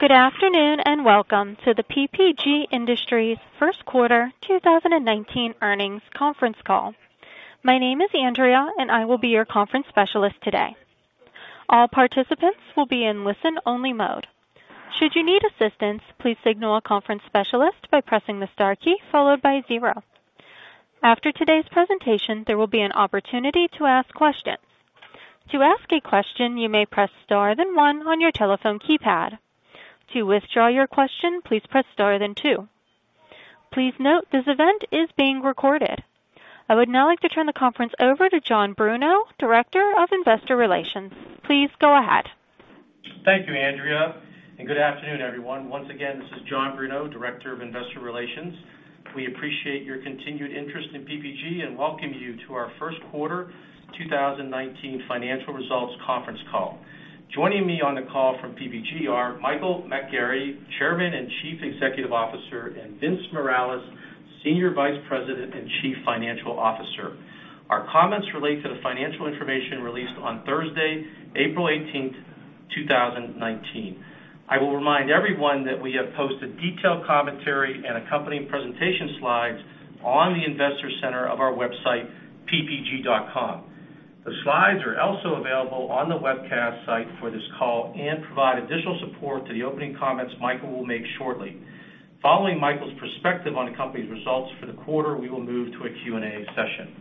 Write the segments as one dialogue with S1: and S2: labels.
S1: Good afternoon, welcome to the PPG Industries first quarter 2019 earnings conference call. My name is Andrea, and I will be your conference specialist today. All participants will be in listen only mode. Should you need assistance, please signal a conference specialist by pressing the star key followed by zero. After today's presentation, there will be an opportunity to ask questions. To ask a question, you may press star then one on your telephone keypad. To withdraw your question, please press star then two. Please note this event is being recorded. I would now like to turn the conference over to John Bruno, Director of Investor Relations. Please go ahead.
S2: Thank you, Andrea, good afternoon, everyone. Once again, this is John Bruno, Director of Investor Relations. We appreciate your continued interest in PPG and welcome you to our first quarter 2019 financial results conference call. Joining me on the call from PPG are Michael McGarry, Chairman and Chief Executive Officer, and Vince Morales, Senior Vice President and Chief Financial Officer. Our comments relate to the financial information released on Thursday, April 18th, 2019. I will remind everyone that we have posted detailed commentary and accompanying presentation slides on the investor center of our website, ppg.com. The slides are also available on the webcast site for this call and provide additional support to the opening comments Michael will make shortly. Following Michael's perspective on the company's results for the quarter, we will move to a Q&A session.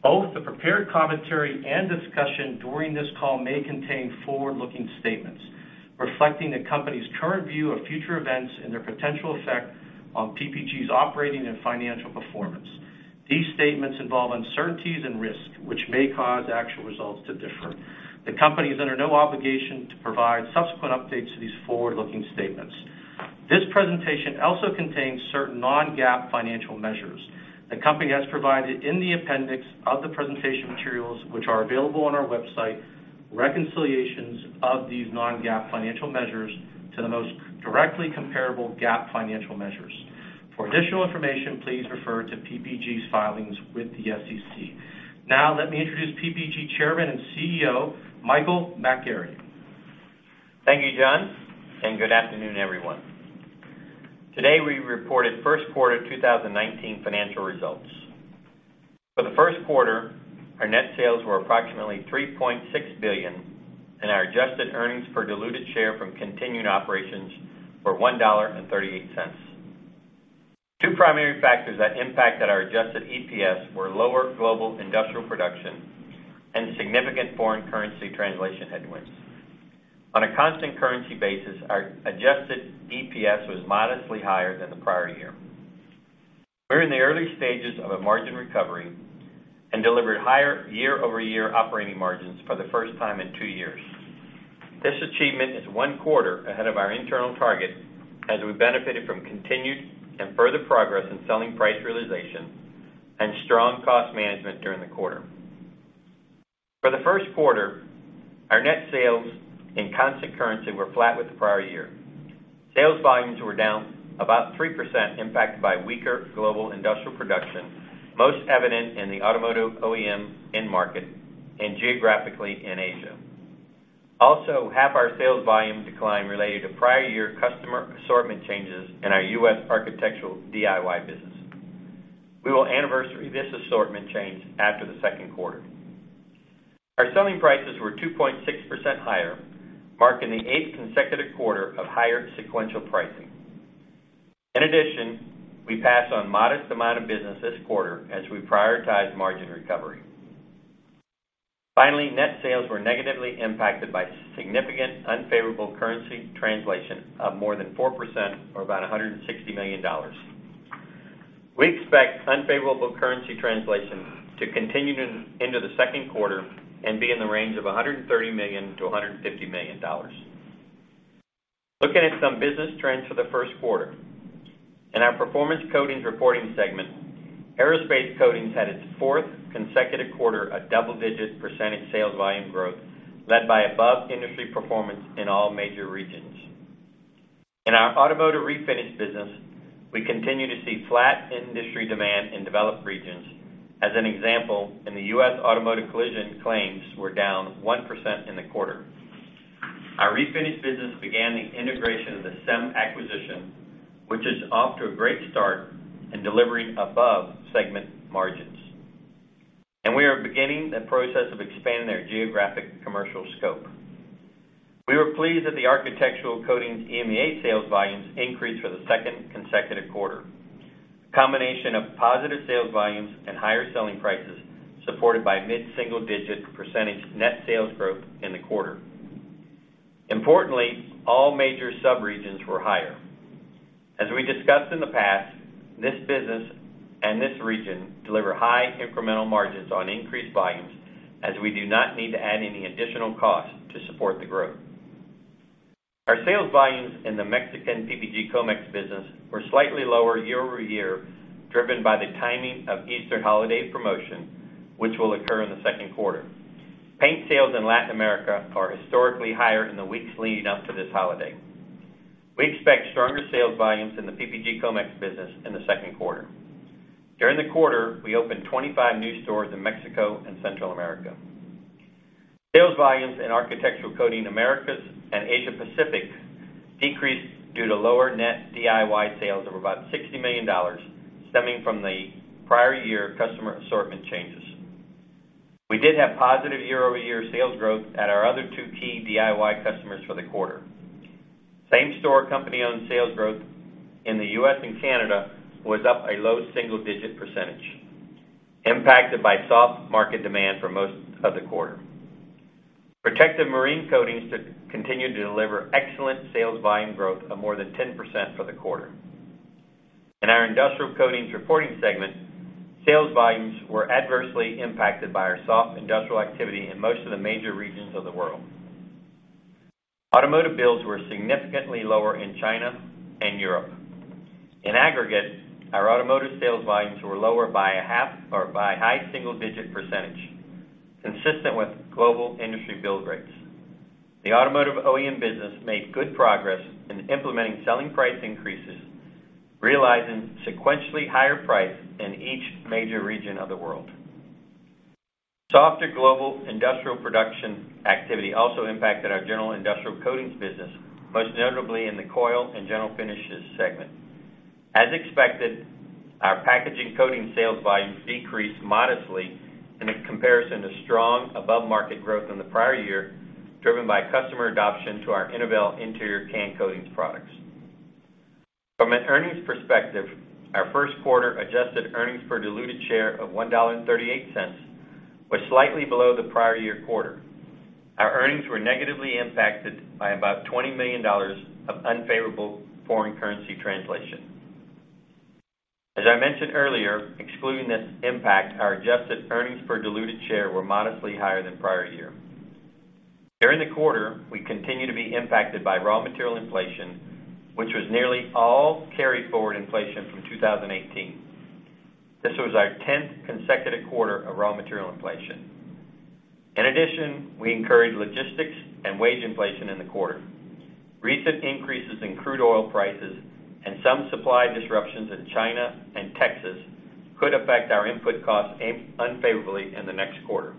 S2: Both the prepared commentary and discussion during this call may contain forward-looking statements reflecting the company's current view of future events and their potential effect on PPG's operating and financial performance. These statements involve uncertainties and risks, which may cause actual results to differ. The company is under no obligation to provide subsequent updates to these forward-looking statements. This presentation also contains certain non-GAAP financial measures. The company has provided, in the appendix of the presentation materials, which are available on our website, reconciliations of these non-GAAP financial measures to the most directly comparable GAAP financial measures. For additional information, please refer to PPG's filings with the SEC. Now, let me introduce PPG Chairman and CEO, Michael McGarry.
S3: Thank you, John, good afternoon, everyone. Today, we reported first quarter 2019 financial results. For the first quarter, our net sales were approximately $3.6 billion, and our adjusted earnings per diluted share from continuing operations were $1.38. Two primary factors that impacted our adjusted EPS were lower global industrial production and significant foreign currency translation headwinds. On a constant currency basis, our adjusted EPS was modestly higher than the prior year. We're in the early stages of a margin recovery and delivered higher year-over-year operating margins for the first time in two years. This achievement is one quarter ahead of our internal target as we benefited from continued and further progress in selling price realization and strong cost management during the quarter. For the first quarter, our net sales in constant currency were flat with the prior year. Sales volumes were down about 3%, impacted by weaker global industrial production, most evident in the automotive OEM end market and geographically in Asia. Half our sales volume decline related to prior year customer assortment changes in our U.S. architectural DIY business. We will anniversary this assortment change after the second quarter. Our selling prices were 2.6% higher, marking the eighth consecutive quarter of higher sequential pricing. In addition, we passed on modest amount of business this quarter as we prioritized margin recovery. Finally, net sales were negatively impacted by significant unfavorable currency translation of more than 4%, or about $160 million. We expect unfavorable currency translation to continue into the second quarter and be in the range of $130 million-$150 million. Looking at some business trends for the first quarter. In our performance coatings reporting segment, aerospace coatings had its fourth consecutive quarter of double-digit percentage sales volume growth, led by above-industry performance in all major regions. In our automotive refinish business, we continue to see flat industry demand in developed regions. As an example, in the U.S., automotive collision claims were down 1% in the quarter. Our refinish business began the integration of the SEM acquisition, which is off to a great start in delivering above segment margins. We are beginning the process of expanding their geographic commercial scope. We were pleased that the architectural coatings EMEA sales volumes increased for the second consecutive quarter. A combination of positive sales volumes and higher selling prices, supported by mid-single-digit percentage net sales growth in the quarter. Importantly, all major sub-regions were higher. As we discussed in the past, this business and this region deliver high incremental margins on increased volumes, as we do not need to add any additional cost to support the growth. Our sales volumes in the Mexican PPG Comex business were slightly lower year-over-year, driven by the timing of Easter holiday promotion, which will occur in the second quarter. Paint sales in Latin America are historically higher in the weeks leading up to this holiday. We expect stronger sales volumes in the PPG Comex business in the second quarter. During the quarter, we opened 25 new stores in Mexico and Central America. Sales volumes in architectural coating Americas and Asia Pacific decreased due to lower net DIY sales of about $60 million stemming from the prior year customer assortment changes. We did have positive year-over-year sales growth at our other two key DIY customers for the quarter. Same store company owned sales growth in the U.S. and Canada was up a low single digit percentage, impacted by soft market demand for most of the quarter. Protective marine coatings continued to deliver excellent sales volume growth of more than 10% for the quarter. In our industrial coatings reporting segment, sales volumes were adversely impacted by our soft industrial activity in most of the major regions of the world. Automotive builds were significantly lower in China and Europe. In aggregate, our automotive sales volumes were lower by a half or by high single digit percentage, consistent with global industry build rates. The automotive OEM business made good progress in implementing selling price increases, realizing sequentially higher price in each major region of the world. Softer global industrial production activity also impacted our general industrial coatings business, most notably in the coil and general finishes segment. As expected, our packaging coating sales volume decreased modestly in comparison to strong above market growth in the prior year, driven by customer adoption to our Innovel interior can coatings products. From an earnings perspective, our first quarter adjusted earnings per diluted share of $1.38 was slightly below the prior year quarter. Our earnings were negatively impacted by about $20 million of unfavorable foreign currency translation. As I mentioned earlier, excluding this impact, our adjusted earnings per diluted share were modestly higher than prior year. During the quarter, we continued to be impacted by raw material inflation, which was nearly all carry forward inflation from 2018. This was our 10th consecutive quarter of raw material inflation. In addition, we incurred logistics and wage inflation in the quarter. Recent increases in crude oil prices and some supply disruptions in China and Texas could affect our input costs unfavorably in the next quarter.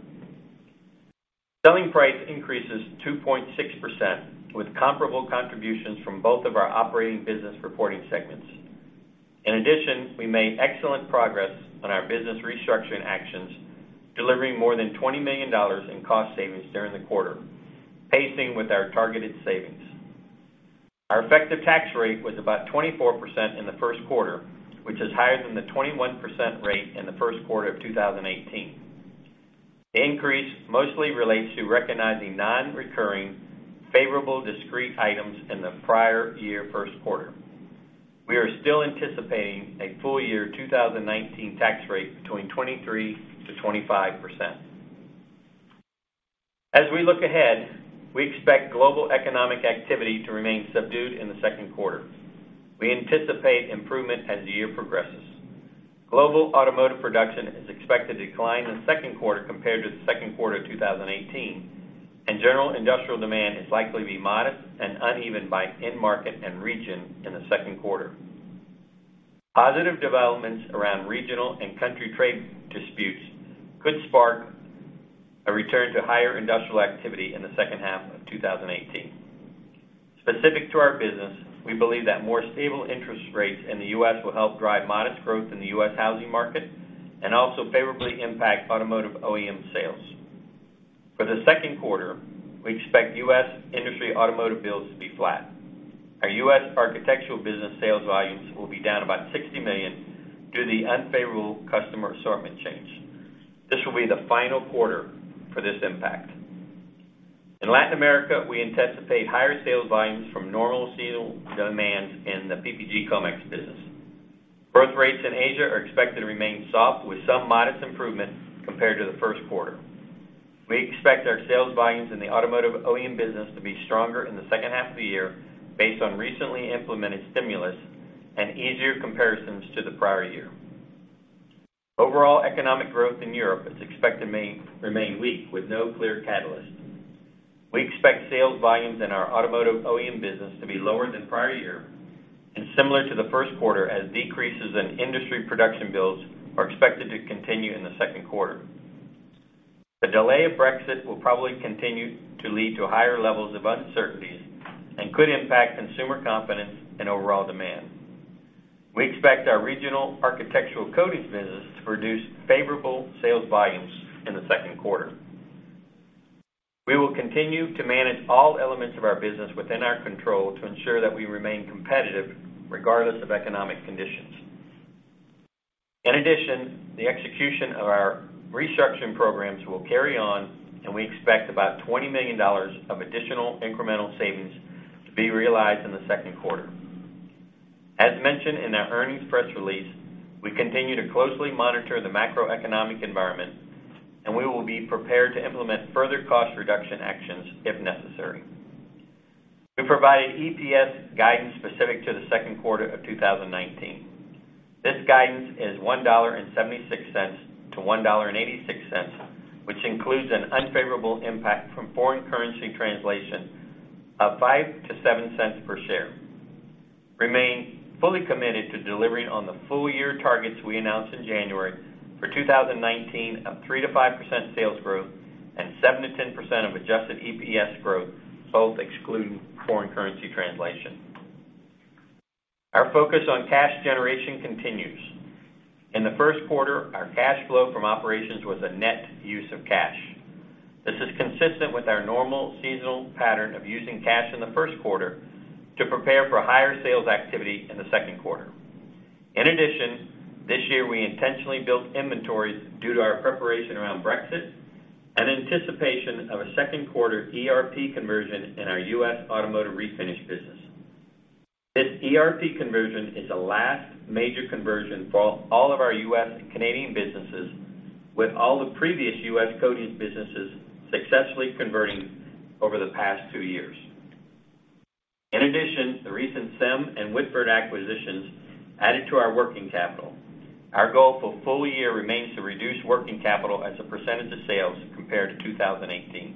S3: Selling price increases 2.6% with comparable contributions from both of our operating business reporting segments. In addition, we made excellent progress on our business restructuring actions, delivering more than $20 million in cost savings during the quarter, pacing with our targeted savings. Our effective tax rate was about 24% in the first quarter, which is higher than the 21% rate in the first quarter of 2018. The increase mostly relates to recognizing non-recurring favorable discrete items in the prior year first quarter. We are still anticipating a full year 2019 tax rate between 23%-25%. As we look ahead, we expect global economic activity to remain subdued in the second quarter. We anticipate improvement as the year progresses. Global automotive production is expected to decline in the second quarter compared to the second quarter of 2018, and general industrial demand is likely to be modest and uneven by end market and region in the second quarter. Positive developments around regional and country trade disputes could spark a return to higher industrial activity in the second half of 2018. Specific to our business, we believe that more stable interest rates in the U.S. will help drive modest growth in the U.S. housing market and also favorably impact automotive OEM sales. For the second quarter, we expect U.S. industry automotive builds to be flat. Our U.S. architectural business sales volumes will be down about $60 million due to the unfavorable customer assortment change. This will be the final quarter for this impact. In Latin America, we anticipate higher sales volumes from normal seasonal demands in the PPG Comex business. Growth rates in Asia are expected to remain soft with some modest improvement compared to the first quarter. We expect our sales volumes in the automotive OEM business to be stronger in the second half of the year based on recently implemented stimulus and easier comparisons to the prior year. Overall economic growth in Europe is expected to remain weak with no clear catalyst. We expect sales volumes in our automotive OEM business to be lower than prior year and similar to the first quarter as decreases in industry production builds are expected to continue in the second quarter. The delay of Brexit will probably continue to lead to higher levels of uncertainties and could impact consumer confidence and overall demand. We expect our regional architectural coatings business to produce favorable sales volumes in the second quarter. We will continue to manage all elements of our business within our control to ensure that we remain competitive regardless of economic conditions. The execution of our restructuring programs will carry on, and we expect about $20 million of additional incremental savings to be realized in the second quarter. Mentioned in our earnings press release, we continue to closely monitor the macroeconomic environment, and we will be prepared to implement further cost reduction actions if necessary. We provided EPS guidance specific to the second quarter of 2019. This guidance is $1.76-$1.86, which includes an unfavorable impact from foreign currency translation of $0.05-$0.07 per share. We remain fully committed to delivering on the full year targets we announced in January for 2019 of 3%-5% sales growth and 7%-10% of adjusted EPS growth, both excluding foreign currency translation. Our focus on cash generation continues. The first quarter, our cash flow from operations was a net use of cash. This is consistent with our normal seasonal pattern of using cash in the first quarter to prepare for higher sales activity in the second quarter. This year we intentionally built inventories due to our preparation around Brexit and anticipation of a second quarter ERP conversion in our U.S. automotive refinish business. This ERP conversion is the last major conversion for all of our U.S. and Canadian businesses, with all the previous U.S. coatings businesses successfully converting over the past two years. The recent SEM and Whitford acquisitions added to our working capital. Our goal for full year remains to reduce working capital as a percentage of sales compared to 2018.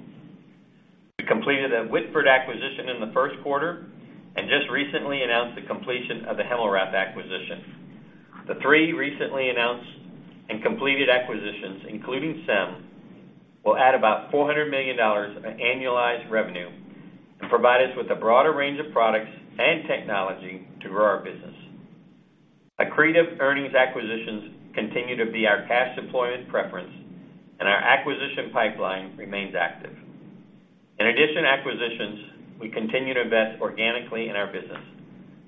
S3: We completed a Whitford acquisition in the first quarter and just recently announced the completion of the Hemmelrath acquisition. The three recently announced and completed acquisitions, including SEM, will add about $400 million of annualized revenue and provide us with a broader range of products and technology to grow our business. Accretive earnings acquisitions continue to be our cash deployment preference and our acquisition pipeline remains active. To acquisitions, we continue to invest organically in our business.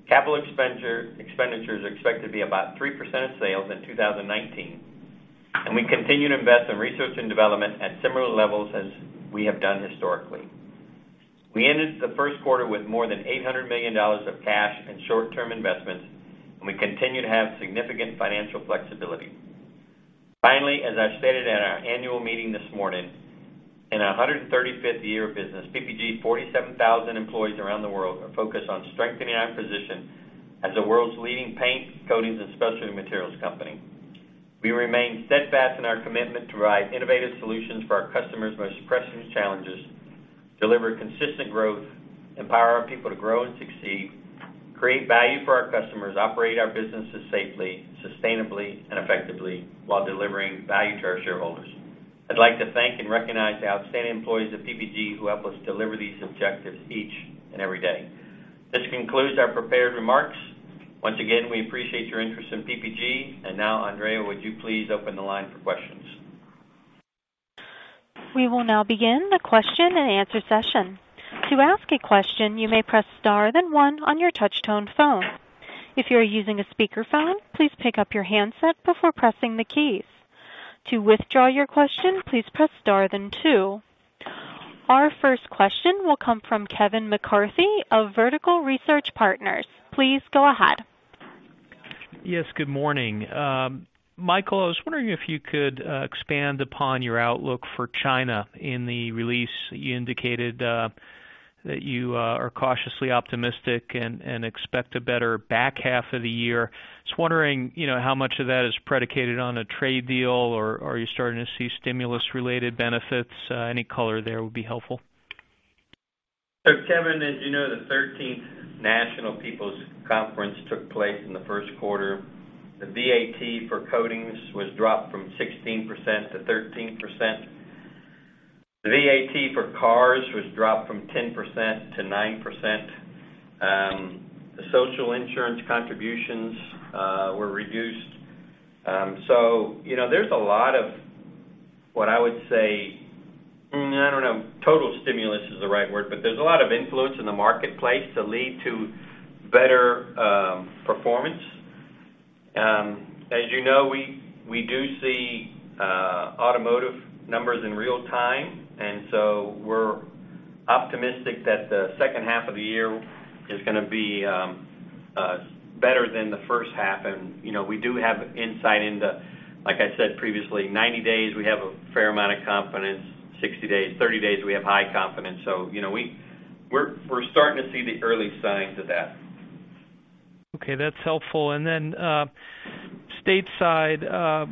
S3: Capital expenditures are expected to be about 3% of sales in 2019, and we continue to invest in research and development at similar levels as we have done historically. We ended the first quarter with more than $800 million of cash and short-term investments, we continue to have significant financial flexibility. As I stated at our annual meeting this morning, in our 135th year of business, PPG's 47,000 employees around the world are focused on strengthening our position as the world's leading paint, coatings, and specialty materials company. We remain steadfast in our commitment to provide innovative solutions for our customers' most pressing challenges, deliver consistent growth, empower our people to grow and succeed, create value for our customers, operate our businesses safely, sustainably, and effectively while delivering value to our shareholders. I'd like to thank and recognize the outstanding employees of PPG who help us deliver these objectives each and every day. This concludes our prepared remarks. Once again, we appreciate your interest in PPG. Andrea, would you please open the line for questions?
S1: We will now begin the question and answer session. To ask a question, you may press star, then one on your touch tone phone. If you're using a speakerphone, please pick up your handset before pressing the keys. To withdraw your question, please press star, then two. Our first question will come from Kevin McCarthy of Vertical Research Partners. Please go ahead.
S4: Yes, good morning. Michael, I was wondering if you could expand upon your outlook for China. In the release, you indicated that you are cautiously optimistic and expect a better back half of the year. Just wondering, how much of that is predicated on a trade deal, or are you starting to see stimulus related benefits? Any color there would be helpful.
S3: Kevin, as you know, the 13th National People's Congress took place in the first quarter. The VAT for coatings was dropped from 16% to 13%. The VAT for cars was dropped from 10% to 9%. The social insurance contributions were reduced. There's a lot of what I would say, I don't know if total stimulus is the right word, but there's a lot of influence in the marketplace to lead to better performance. As you know, we do see automotive numbers in real time, we're optimistic that the second half of the year is gonna be better than the first half. We do have insight into, like I said previously, 90 days, we have a fair amount of confidence. 60 days, 30 days, we have high confidence. We're starting to see the early signs of that.
S4: Okay, that's helpful. Stateside,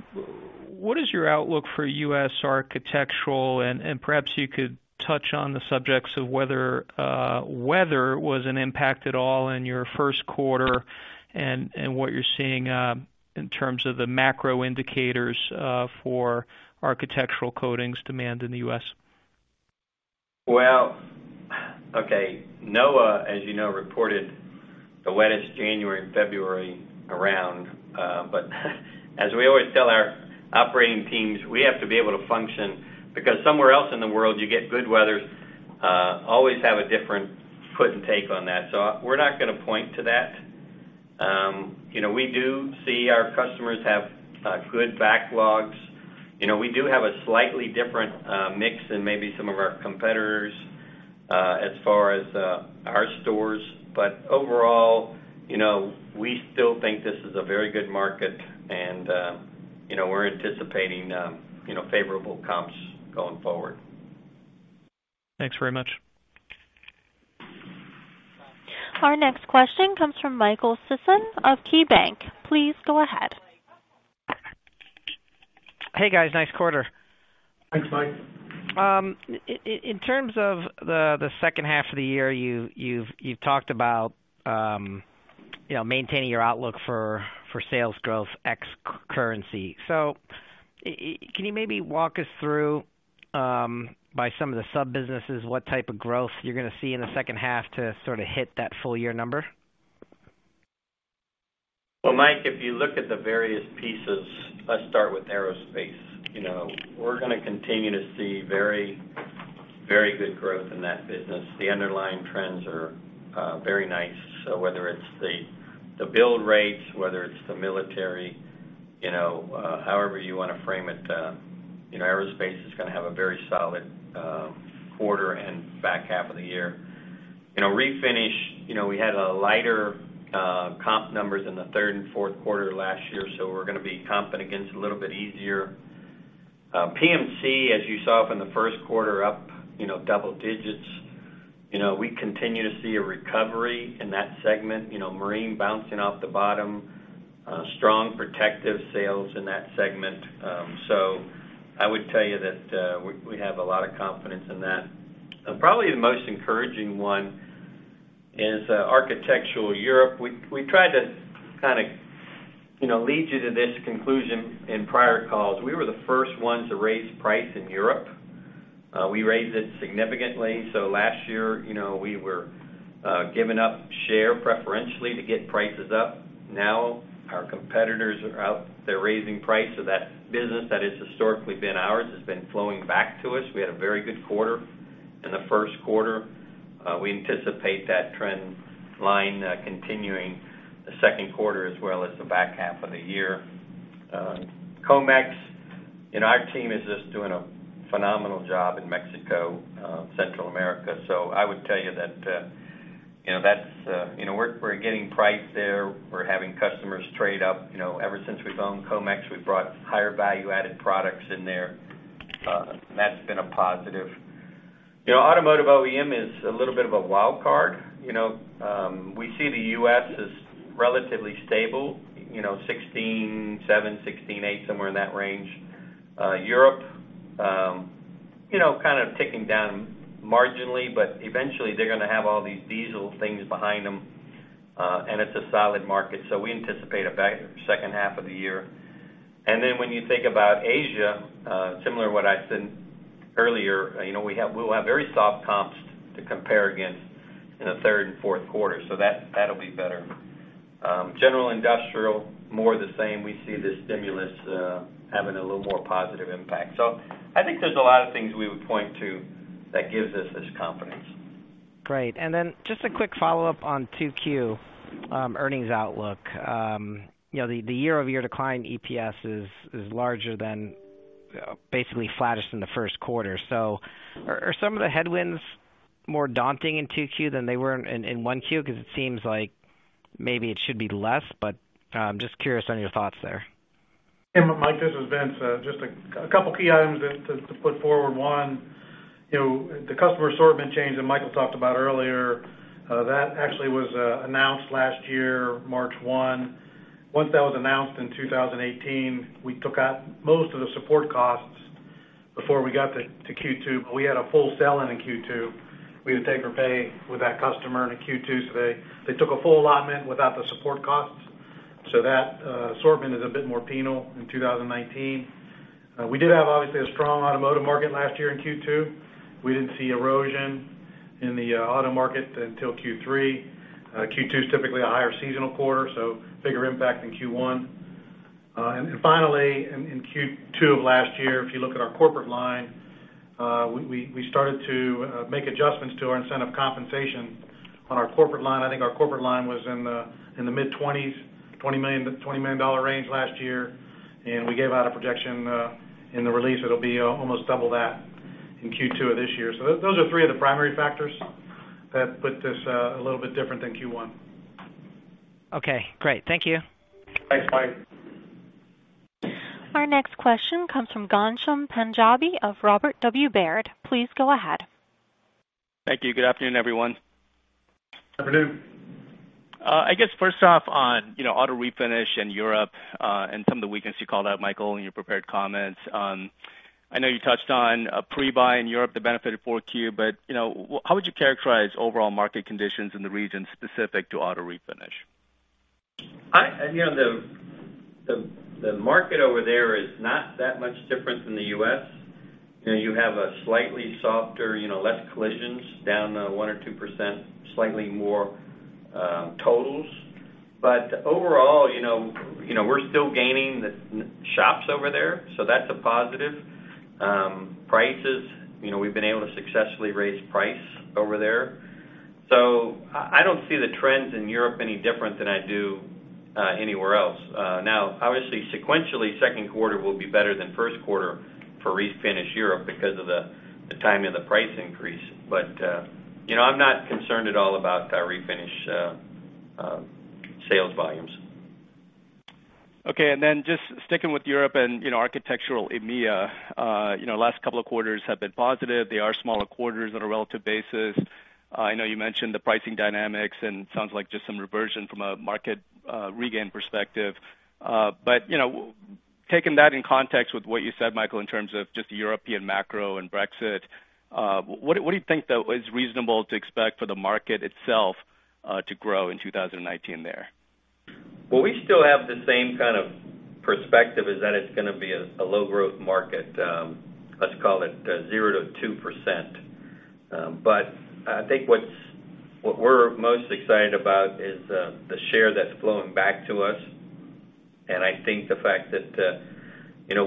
S4: what is your outlook for U.S. architectural? Perhaps you could touch on the subjects of whether weather was an impact at all in your first quarter and what you're seeing in terms of the macro indicators for architectural coatings demand in the U.S.
S3: Okay. NOAA, as you know, reported the wettest January and February around. As we always tell our operating teams, we have to be able to function because somewhere else in the world you get good weather. Always have a different foot and take on that. We're not going to point to that. We do see our customers have good backlogs. We do have a slightly different mix than maybe some of our competitors, as far as our stores. Overall, we still think this is a very good market and we're anticipating favorable comps going forward.
S4: Thanks very much.
S1: Our next question comes from Michael Sison of KeyBanc. Please go ahead.
S5: Hey guys, nice quarter.
S3: Thanks, Mike.
S5: In terms of the second half of the year, you've talked about maintaining your outlook for sales growth ex currency. Can you maybe walk us through, by some of the sub-businesses, what type of growth you're going to see in the second half to sort of hit that full year number?
S3: Well, Mike, if you look at the various pieces, let's start with aerospace. We're going to continue to see very good growth in that business. The underlying trends are very nice. Whether it's the build rates, whether it's the military, however you want to frame it, aerospace is going to have a very solid quarter and back half of the year. Refinish, we had lighter comp numbers in the third and fourth quarter last year, so we're going to be comping against a little bit easier. PMC, as you saw up in the first quarter up, double digits. We continue to see a recovery in that segment. Marine bouncing off the bottom. Strong protective sales in that segment. I would tell you that we have a lot of confidence in that. Probably the most encouraging one is Architectural Europe. We tried to kind of lead you to this conclusion in prior calls. We were the first ones to raise price in Europe. We raised it significantly. Last year, we were giving up share preferentially to get prices up. Now our competitors are out. They're raising price. That business that has historically been ours has been flowing back to us. We had a very good quarter in the first quarter. We anticipate that trend line continuing the second quarter as well as the back half of the year. Comex, our team is just doing a phenomenal job in Mexico, Central America. I would tell you that we're getting price there. We're having customers trade up. Ever since we've owned Comex, we've brought higher value-added products in there. That's been a positive. Automotive OEM is a little bit of a wild card. We see the U.S. as relatively stable, 16.7, 16.8, somewhere in that range. Europe, kind of ticking down marginally, but eventually, they're going to have all these diesel things behind them. It's a solid market, so we anticipate a second half of the year. When you think about Asia, similar to what I said earlier, we'll have very soft comps to compare against in the third and fourth quarter, that'll be better. General Industrial, more the same. We see the stimulus having a little more positive impact. I think there's a lot of things we would point to that gives us this confidence.
S5: Great. Just a quick follow-up on 2Q earnings outlook. The year-over-year decline EPS is larger than, basically flattest in the first quarter. Are some of the headwinds more daunting in 2Q than they were in 1Q? Because it seems like maybe it should be less, but I'm just curious on your thoughts there.
S6: Mike, this is Vince. Just a couple key items to put forward. One, the customer sortment change that Michael talked about earlier, that actually was announced last year, March 1. Once that was announced in 2018, we took out most of the support costs before we got to Q2, but we had a full sell-in in Q2. We would take or pay with that customer into Q2. They took a full allotment without the support costs. That sortment is a bit more penal in 2019. We did have, obviously, a strong automotive market last year in Q2. We didn't see erosion in the auto market until Q3. Q2 is typically a higher seasonal quarter, so bigger impact in Q1. Finally, in Q2 of last year, if you look at our corporate line, we started to make adjustments to our incentive compensation on our corporate line. I think our corporate line was in the mid-20s, $20 million range last year, we gave out a projection in the release it'll be almost double that in Q2 of this year. Those are three of the primary factors that put this a little bit different than Q1.
S5: Okay, great. Thank you.
S3: Thanks, Mike.
S1: Our next question comes from Ghansham Panjabi of Robert W. Baird. Please go ahead.
S7: Thank you. Good afternoon, everyone.
S3: Afternoon.
S7: I guess first off on auto refinish in Europe, and some of the weakness you called out, Michael, in your prepared comments. I know you touched on pre-buy in Europe that benefited 4Q, how would you characterize overall market conditions in the region specific to auto refinish?
S3: The market over there is not that much different than the U.S. You have a slightly softer, less collisions, down 1%-2%, slightly more totals. Overall, we're still gaining the shops over there, so that's a positive. Prices, we've been able to successfully raise price over there. I don't see the trends in Europe any different than I do anywhere else. Obviously, sequentially, second quarter will be better than first quarter for refinish Europe because of the timing of the price increase. I'm not concerned at all about refinish sales volumes.
S7: Okay. Just sticking with Europe and Architectural EMEA, last couple of quarters have been positive. They are smaller quarters on a relative basis. I know you mentioned the pricing dynamics, and it sounds like just some reversion from a market regain perspective. Taking that in context with what you said, Michael, in terms of just European macro and Brexit, what do you think though is reasonable to expect for the market itself to grow in 2019 there?
S3: We still have the same kind of perspective, is that it's going to be a low growth market. Let's call it 0%-2%. I think what we're most excited about is the share that's flowing back to us. I think the fact that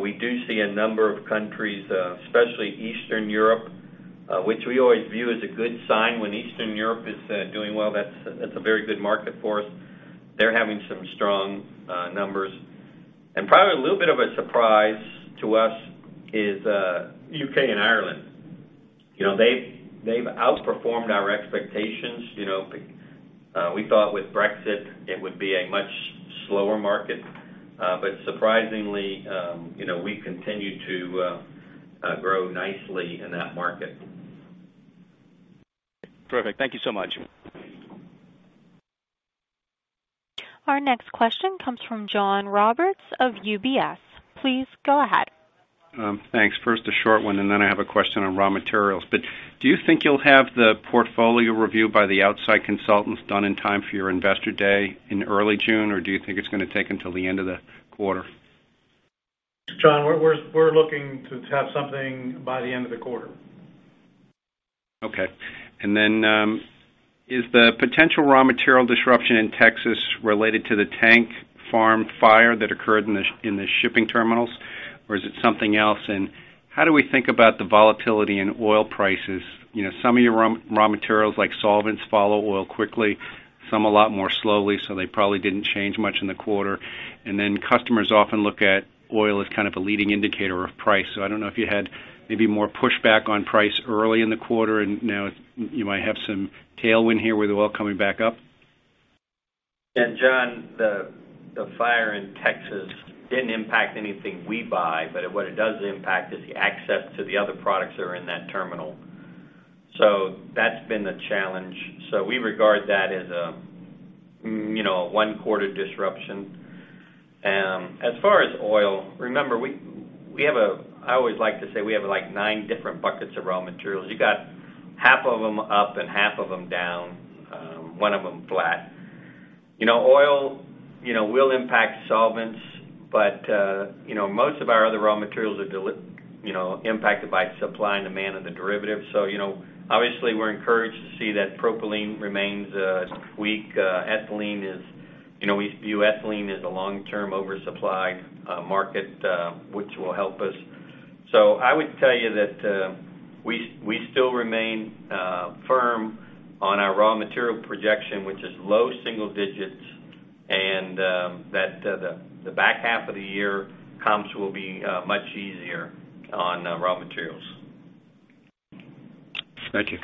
S3: we do see a number of countries, especially Eastern Europe, which we always view as a good sign. When Eastern Europe is doing well, that's a very good market for us. They're having some strong numbers. Probably a little bit of a surprise to us is U.K. and Ireland. They've outperformed our expectations. We thought with Brexit, it would be a much slower market. Surprisingly, we continue to grow nicely in that market.
S7: Perfect. Thank you so much.
S1: Our next question comes from John Roberts of UBS. Please go ahead.
S8: Thanks. First, a short one, and then I have a question on raw materials. Do you think you'll have the portfolio review by the outside consultants done in time for your Investor Day in early June, or do you think it's going to take until the end of the quarter?
S6: John, we're looking to have something by the end of the quarter.
S8: Okay. Is the potential raw material disruption in Texas related to the tank farm fire that occurred in the shipping terminals, or is it something else? How do we think about the volatility in oil prices? Some of your raw materials, like solvents, follow oil quickly, some a lot more slowly, so they probably didn't change much in the quarter. Customers often look at oil as kind of a leading indicator of price. I don't know if you had maybe more pushback on price early in the quarter, and now you might have some tailwind here with oil coming back up.
S3: John, the fire in Texas didn't impact anything we buy, but what it does impact is the access to the other products that are in that terminal. That's been the challenge. We regard that as a one-quarter disruption. As far as oil, remember, I always like to say we have nine different buckets of raw materials. You got half of them up and half of them down, one of them flat. Oil will impact solvents, but most of our other raw materials are impacted by supply and demand of the derivative. Obviously, we're encouraged to see that propylene remains weak. We view ethylene as a long-term oversupply market, which will help us. I would tell you that we still remain firm on our raw material projection, which is low single digits, and that the back half of the year comps will be much easier on raw materials.
S8: Thank you.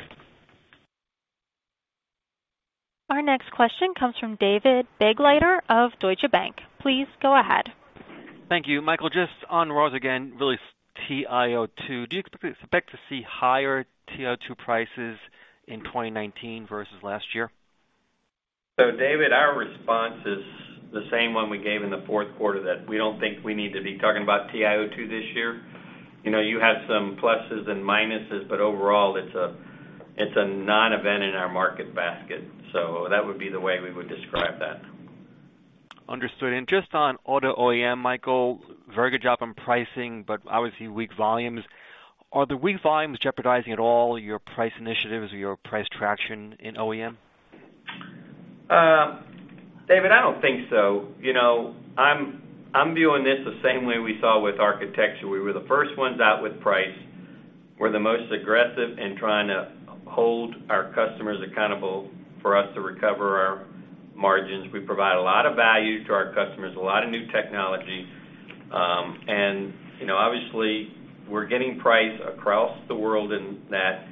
S1: Our next question comes from David Begleiter of Deutsche Bank. Please go ahead.
S9: Thank you. Michael, just on raws again, really TiO2, do you expect to see higher TiO2 prices in 2019 versus last year?
S3: David, our response is the same one we gave in the fourth quarter, that we don't think we need to be talking about TiO2 this year. You had some pluses and minuses, but overall, it's a non-event in our market basket. That would be the way we would describe that.
S9: Understood. Just on auto OEM, Michael, very good job on pricing, but obviously weak volumes. Are the weak volumes jeopardizing at all your price initiatives or your price traction in OEM?
S3: David, I don't think so. I'm viewing this the same way we saw with architecture. We were the first ones out with price. We're the most aggressive in trying to hold our customers accountable for us to recover our margins. We provide a lot of value to our customers, a lot of new technology. Obviously, we're getting price across the world in that.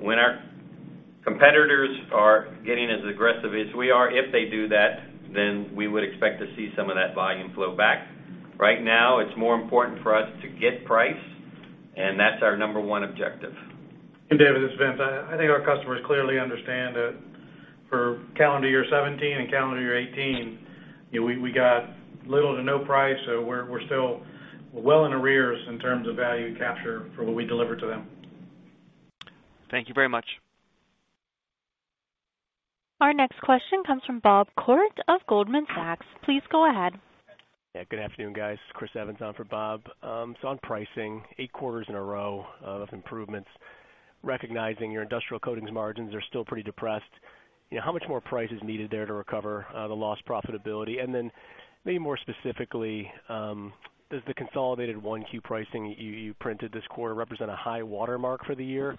S3: When our competitors are getting as aggressive as we are, if they do that, we would expect to see some of that volume flow back. Right now, it's more important for us to get price, that's our number one objective.
S6: David, it's Vince. I think our customers clearly understand that for calendar year 2017 and calendar year 2018, we got little to no price. We're still well in arrears in terms of value capture for what we deliver to them.
S9: Thank you very much.
S1: Our next question comes from Bob Koort of Goldman Sachs. Please go ahead.
S10: Good afternoon, guys. Chris Evans on for Bob. On pricing, 8 quarters in a row of improvements, recognizing your industrial coatings margins are still pretty depressed, how much more price is needed there to recover the lost profitability? Maybe more specifically, does the consolidated 1Q pricing you printed this quarter represent a high watermark for the year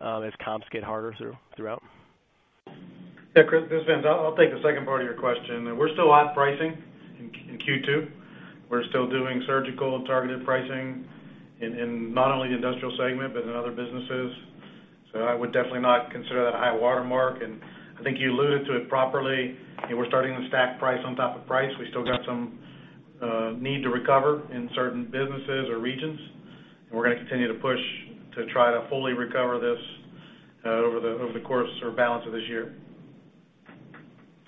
S10: as comps get harder throughout?
S6: Chris, this is Vince. I'll take the second part of your question. We're still on pricing in Q2. We're still doing surgical targeted pricing in not only the industrial segment, but in other businesses. I would definitely not consider that a high watermark. I think you alluded to it properly. We're starting to stack price on top of price. We still got some need to recover in certain businesses or regions. We're going to continue to push to try to fully recover this over the course or balance of this year.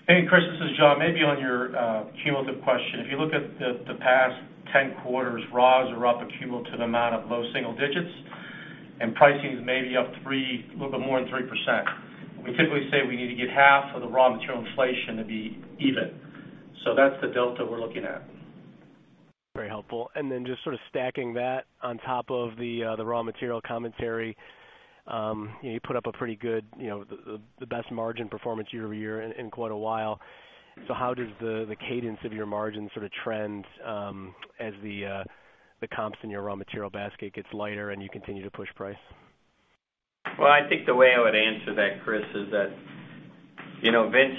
S2: Hey, Chris, this is John. Maybe on your cumulative question, if you look at the past 10 quarters, raws are up a cumulative amount of low single digits and pricing is maybe up a little bit more than 3%. We typically say we need to get half of the raw material inflation to be even. That's the delta we're looking at.
S10: Very helpful. Just sort of stacking that on top of the raw material commentary. You put up a pretty good, the best margin performance year-over-year in quite a while. How does the cadence of your margin sort of trend as the comps in your raw material basket gets lighter and you continue to push price?
S3: I think the way I would answer that, Chris, is that Vince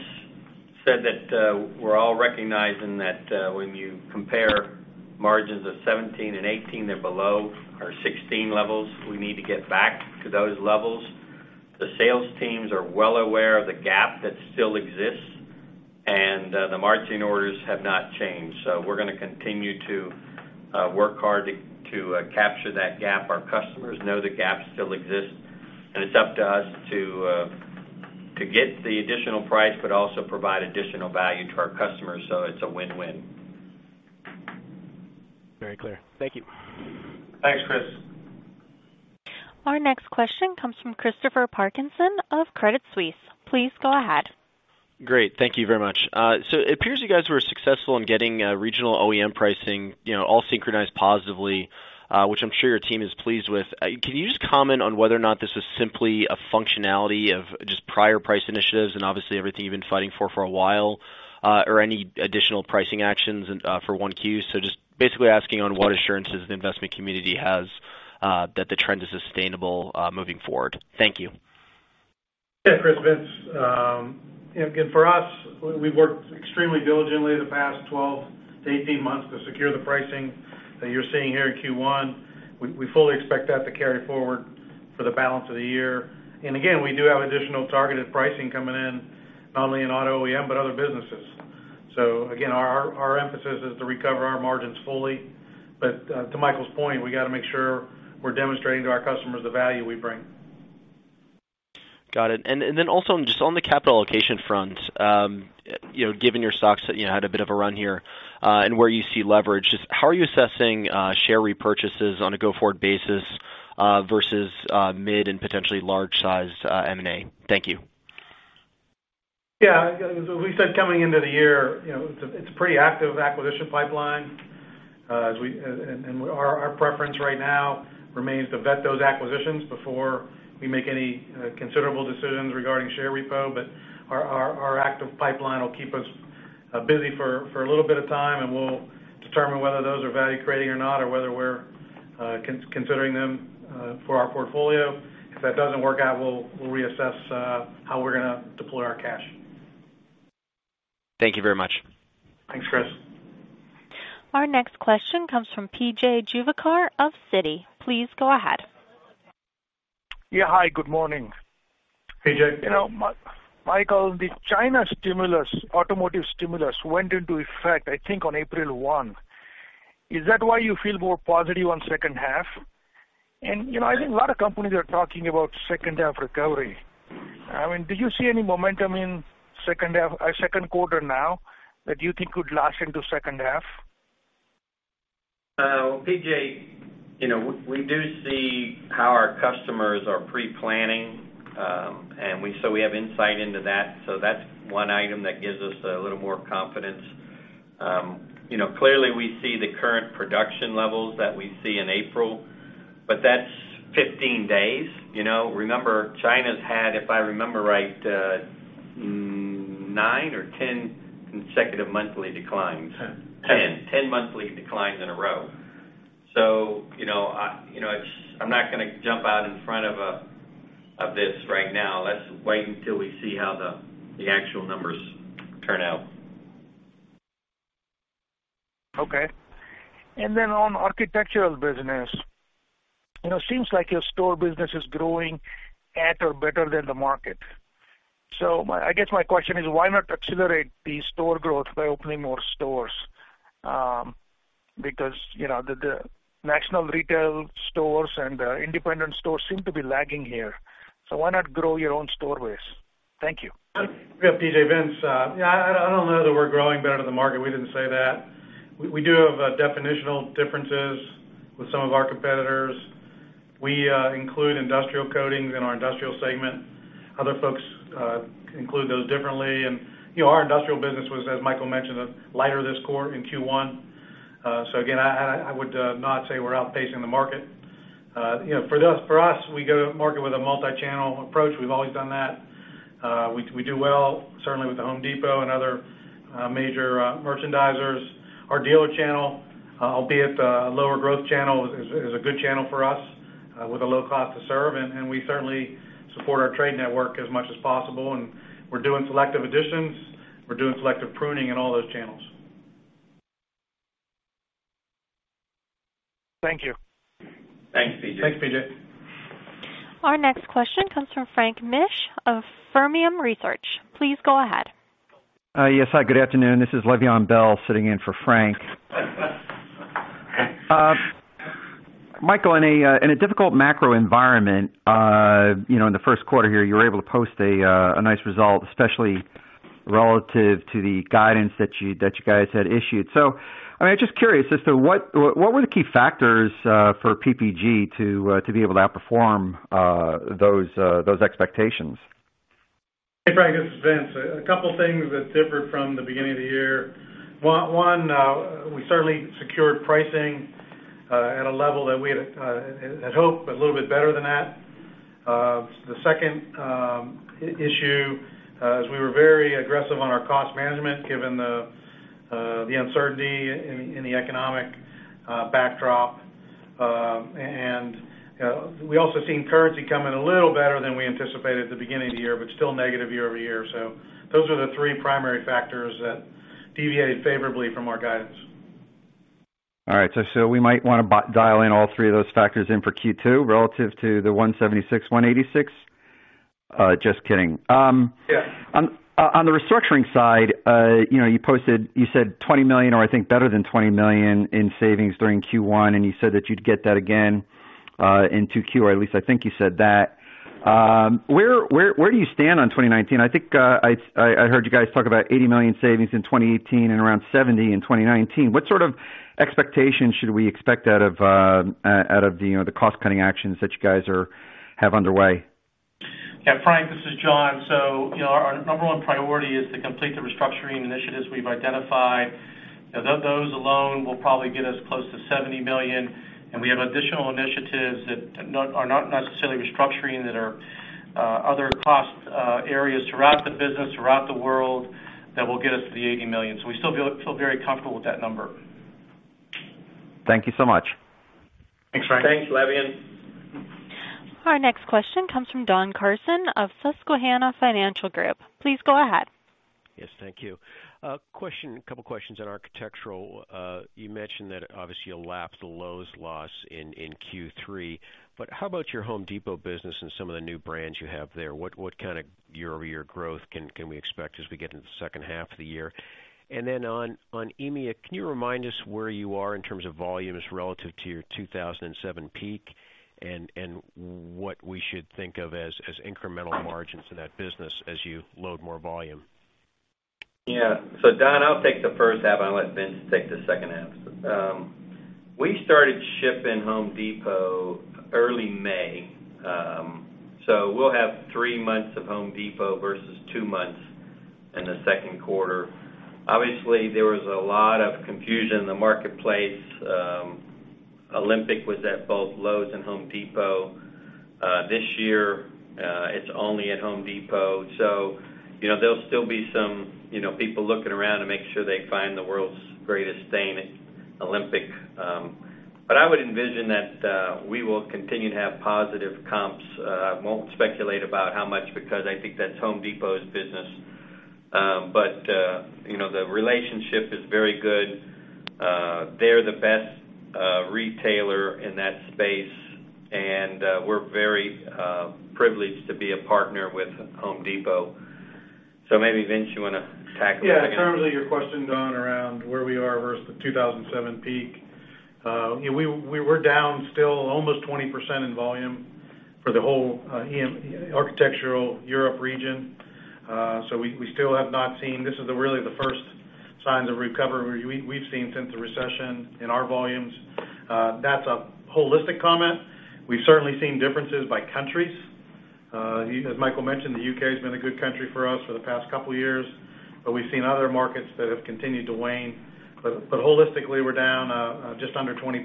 S3: said that we're all recognizing that when you compare margins of 2017 and 2018, they're below our 2016 levels. We need to get back to those levels. The sales teams are well aware of the gap that still exists, and the margin orders have not changed. We're going to continue to work hard to capture that gap. Our customers know the gap still exists, and it's up to us to get the additional price, but also provide additional value to our customers. It's a win-win.
S10: Very clear. Thank you.
S6: Thanks, Chris.
S1: Our next question comes from Christopher Parkinson of Credit Suisse. Please go ahead.
S11: Great. Thank you very much. It appears you guys were successful in getting regional OEM pricing all synchronized positively, which I'm sure your team is pleased with. Can you just comment on whether or not this is simply a functionality of just prior price initiatives and obviously everything you've been fighting for for a while, or any additional pricing actions for 1Q? Just basically asking on what assurances the investment community has that the trend is sustainable moving forward. Thank you.
S6: Yeah, Chris, Vince. Again, for us, we've worked extremely diligently the past 12 to 18 months to secure the pricing that you're seeing here in Q1. We fully expect that to carry forward for the balance of the year. Again, we do have additional targeted pricing coming in, not only in auto OEM, but other businesses. Again, our emphasis is to recover our margins fully. To Michael's point, we got to make sure we're demonstrating to our customers the value we bring.
S11: Got it. Then also just on the capital allocation front, given your stocks that had a bit of a run here and where you see leverage, just how are you assessing share repurchases on a go-forward basis versus mid and potentially large size M&A? Thank you.
S6: Yeah, as we said, coming into the year, it's a pretty active acquisition pipeline. Our preference right now remains to vet those acquisitions before we make any considerable decisions regarding share repo. Our active pipeline will keep us busy for a little bit of time, and we'll determine whether those are value-creating or not or whether we're considering them for our portfolio. If that doesn't work out, we'll reassess how we're going to deploy our cash.
S11: Thank you very much.
S6: Thanks, Chris.
S1: Our next question comes from P.J. Juvekar of Citi. Please go ahead.
S12: Yeah. Hi, good morning.
S6: P.J.
S12: Michael, the China automotive stimulus went into effect, I think, on April 1. Is that why you feel more positive on second half? I think a lot of companies are talking about second half recovery. Do you see any momentum in second quarter now that you think could last into second half?
S6: P.J., we do see how our customers are pre-planning, we have insight into that. That's one item that gives us a little more confidence. Clearly we see the current production levels that we see in April, but that's 15 days. Remember, China's had, if I remember right, nine or 10 consecutive monthly declines.
S2: 10.
S6: 10 monthly declines in a row. I'm not going to jump out in front of this right now. Let's wait until we see how the actual numbers turn out.
S12: Okay. On architectural business, it seems like your store business is growing at or better than the market. I guess my question is, why not accelerate the store growth by opening more stores? The national retail stores and independent stores seem to be lagging here. Why not grow your own store base? Thank you.
S6: P.J., Vince. I don't know that we're growing better than the market. We didn't say that. We do have definitional differences with some of our competitors. We include industrial coatings in our industrial segment. Other folks include those differently. Our industrial business was, as Michael mentioned, lighter this quarter in Q1. Again, I would not say we're outpacing the market. For us, we go to market with a multi-channel approach. We've always done that. We do well, certainly with The Home Depot and other major merchandisers. Our dealer channel, albeit a lower growth channel, is a good channel for us with a low cost to serve. We certainly support our trade network as much as possible. We're doing selective additions, we're doing selective pruning in all those channels.
S12: Thank you.
S2: Thanks, P.J.
S6: Thanks, P.J.
S1: Our next question comes from Frank Mitsch of Fermium Research. Please go ahead.
S13: Yes. Hi, good afternoon. This is Levion Bell sitting in for Frank. Michael, in a difficult macro environment, in the first quarter here, you were able to post a nice result, especially relative to the guidance that you guys had issued. I'm just curious as to what were the key factors for PPG to be able to outperform those expectations?
S6: Hey, Levion, this is Vince. A couple of things that differed from the beginning of the year. One, we certainly secured pricing at a level that we had hoped, but a little bit better than that. The second issue is we were very aggressive on our cost management given the uncertainty in the economic backdrop. We also seen currency come in a little better than we anticipated at the beginning of the year, but still negative year-over-year. Those are the three primary factors that deviated favorably from our guidance.
S13: All right. We might want to dial in all three of those factors in for Q2 relative to the $176-$186. Just kidding.
S6: Yeah.
S13: On the restructuring side, you said $20 million or I think better than $20 million in savings during Q1. You said that you'd get that again in 2Q, or at least I think you said that. Where do you stand on 2019? I think I heard you guys talk about $80 million savings in 2018 and around $70 million in 2019. What sort of expectations should we expect out of the cost-cutting actions that you guys have underway?
S2: Yeah, Levion, this is John. Our number 1 priority is to complete the restructuring initiatives we've identified. Those alone will probably get us close to $70 million. We have additional initiatives that are not necessarily restructuring, that are other cost areas throughout the business, throughout the world, that will get us to the $80 million. We still feel very comfortable with that number.
S13: Thank you so much.
S6: Thanks, Levion.
S2: Thanks, Levion.
S1: Our next question comes from Don Carson of Susquehanna Financial Group. Please go ahead.
S14: Yes, thank you. A couple questions on architectural. You mentioned that obviously you'll lapse the Lowe's loss in Q3, but how about your Home Depot business and some of the new brands you have there? What kind of year-over-year growth can we expect as we get into the second half of the year? Then on EMEA, can you remind us where you are in terms of volumes relative to your 2007 peak and what we should think of as incremental margins for that business as you load more volume?
S2: Yeah. Don, I'll take the first half, and I'll let Vince take the second half. We started shipping Home Depot early May. We'll have three months of Home Depot versus two months in the second quarter. Obviously, there was a lot of confusion in the marketplace. Olympic was at both Lowe's and Home Depot. This year, it's only at Home Depot. There'll still be some people looking around to make sure they find the world's greatest stain at Olympic. I would envision that we will continue to have positive comps. Won't speculate about how much, because I think that's Home Depot's business. The relationship is very good. They're the best retailer in that space, and we're very privileged to be a partner with Home Depot. Maybe, Vince, you want to tackle the-
S6: Yeah. In terms of your question, Don, around where we are versus the 2007 peak. We were down still almost 20% in volume for the whole Architectural Europe region. We still have not seen this is really the first signs of recovery we've seen since the recession in our volumes. That's a holistic comment. We've certainly seen differences by countries. As Michael mentioned, the U.K.'s been a good country for us for the past couple of years, but we've seen other markets that have continued to wane. Holistically, we're down just under 20%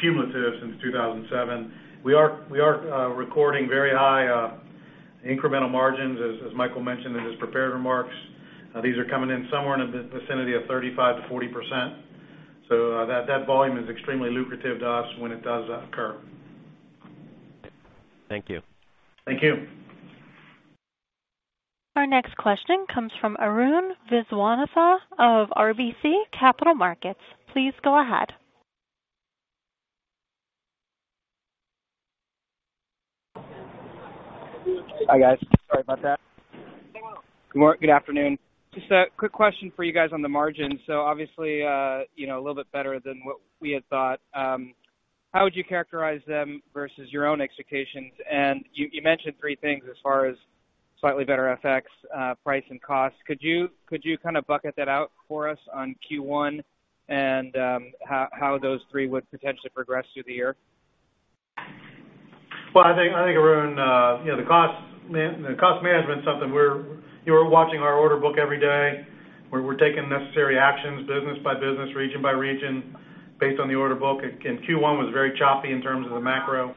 S6: cumulative since 2007. We are recording very high incremental margins, as Michael mentioned in his prepared remarks. These are coming in somewhere in the vicinity of 35%-40%. That volume is extremely lucrative to us when it does occur.
S14: Thank you.
S6: Thank you.
S1: Our next question comes from Arun Viswanathan of RBC Capital Markets. Please go ahead.
S15: Hi, guys. Sorry about that. Good afternoon. Just a quick question for you guys on the margins. Obviously, a little bit better than what we had thought. How would you characterize them versus your own expectations? You mentioned three things as far as slightly better FX, price, and cost. Could you kind of bucket that out for us on Q1 and how those three would potentially progress through the year?
S6: Well, I think, Arun, the cost management stuff that we're watching our order book every day, where we're taking necessary actions business by business, region by region based on the order book. Q1 was very choppy in terms of the macro.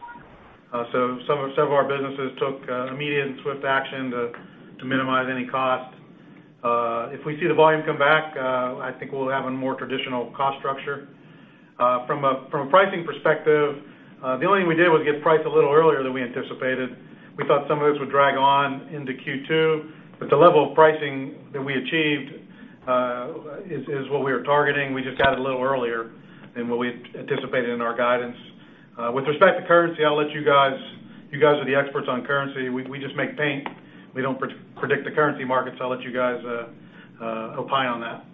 S6: Several of our businesses took immediate and swift action to minimize any cost. If we see the volume come back, I think we'll have a more traditional cost structure. From a pricing perspective, the only thing we did was get price a little earlier than we anticipated. We thought some of this would drag on into Q2, but the level of pricing that we achieved is what we are targeting. We just got it a little earlier than what we had anticipated in our guidance. With respect to currency, I'll let you guys, you guys are the experts on currency. We just make paint. We don't predict the currency markets, I'll let you guys opine on that.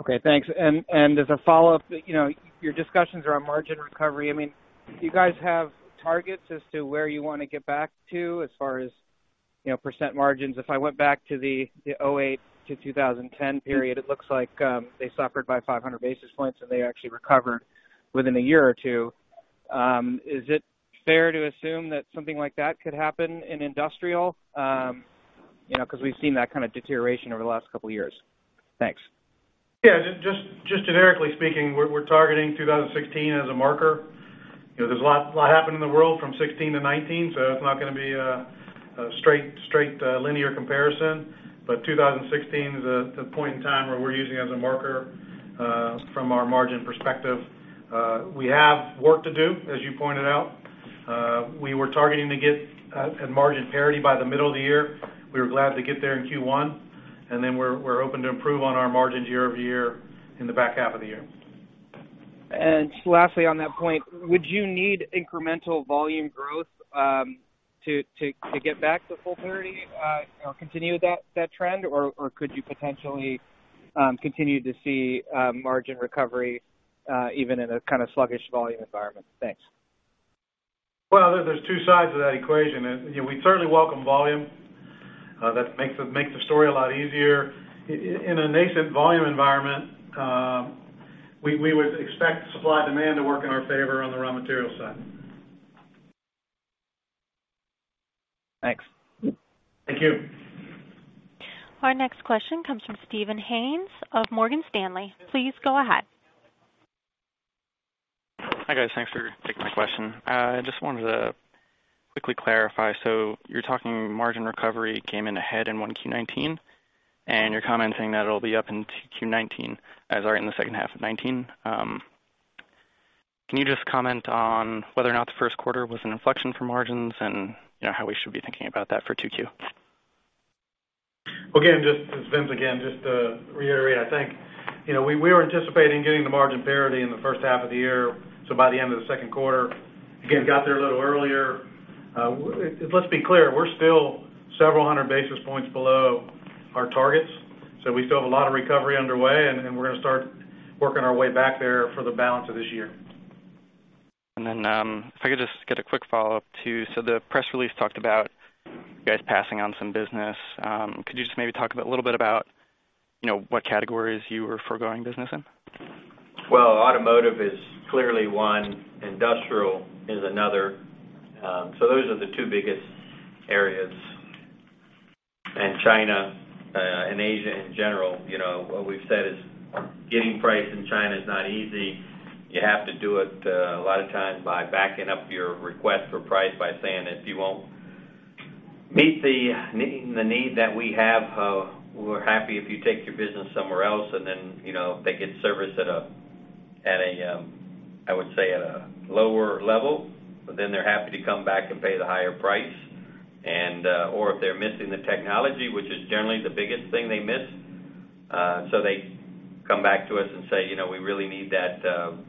S15: Okay, thanks. As a follow-up, your discussions around margin recovery, do you guys have targets as to where you want to get back to as far as percent margins? If I went back to the 2008 to 2010 period, it looks like they suffered by 500 basis points, and they actually recovered within a year or two. Is it fair to assume that something like that could happen in industrial? We've seen that kind of deterioration over the last couple of years. Thanks.
S6: Yeah. Just generically speaking, we're targeting 2016 as a marker. There's a lot happened in the world from 2016 to 2019, so it's not going to be a straight linear comparison. 2016 is the point in time where we're using as a marker, from our margin perspective. We have work to do, as you pointed out. We were targeting to get at margin parity by the middle of the year. We were glad to get there in Q1. We're open to improve on our margins year-over-year in the back half of the year.
S15: Just lastly on that point, would you need incremental volume growth to get back to full parity, continue that trend, or could you potentially continue to see margin recovery even in a kind of sluggish volume environment? Thanks.
S6: Well, there's two sides to that equation. We certainly welcome volume. That makes the story a lot easier. In a nascent volume environment, we would expect supply-demand to work in our favor on the raw material side.
S15: Thanks.
S6: Thank you.
S1: Our next question comes from Vincent Andrews of Morgan Stanley. Please go ahead.
S16: Hi, guys. Thanks for taking my question. I just wanted to quickly clarify. You're talking margin recovery came in ahead in 1Q 2019, and you're commenting that it'll be up in 2Q 2019, as are in the second half of 2019. Can you just comment on whether or not the first quarter was an inflection for margins and how we should be thinking about that for 2Q?
S6: It's Vince again. To reiterate, I think, we were anticipating getting to margin parity in the first half of the year, so by the end of the second quarter. Got there a little earlier. Let's be clear, we're still several hundred basis points below our targets, so we still have a lot of recovery underway, and we're going to start working our way back there for the balance of this year.
S16: If I could just get a quick follow-up, too. The press release talked about you guys passing on some business. Could you just maybe talk a little bit about what categories you were foregoing business in?
S6: Automotive is clearly one, industrial is another. Those are the two biggest areas. China and Asia in general, what we've said is getting price in China is not easy. You have to do it, a lot of times, by backing up your request for price by saying, "If you won't meet the need that we have, we're happy if you take your business somewhere else." They get serviced at a, I would say, at a lower level, they're happy to come back and pay the higher price. If they're missing the technology, which is generally the biggest thing they miss, they come back to us and say, "We really need that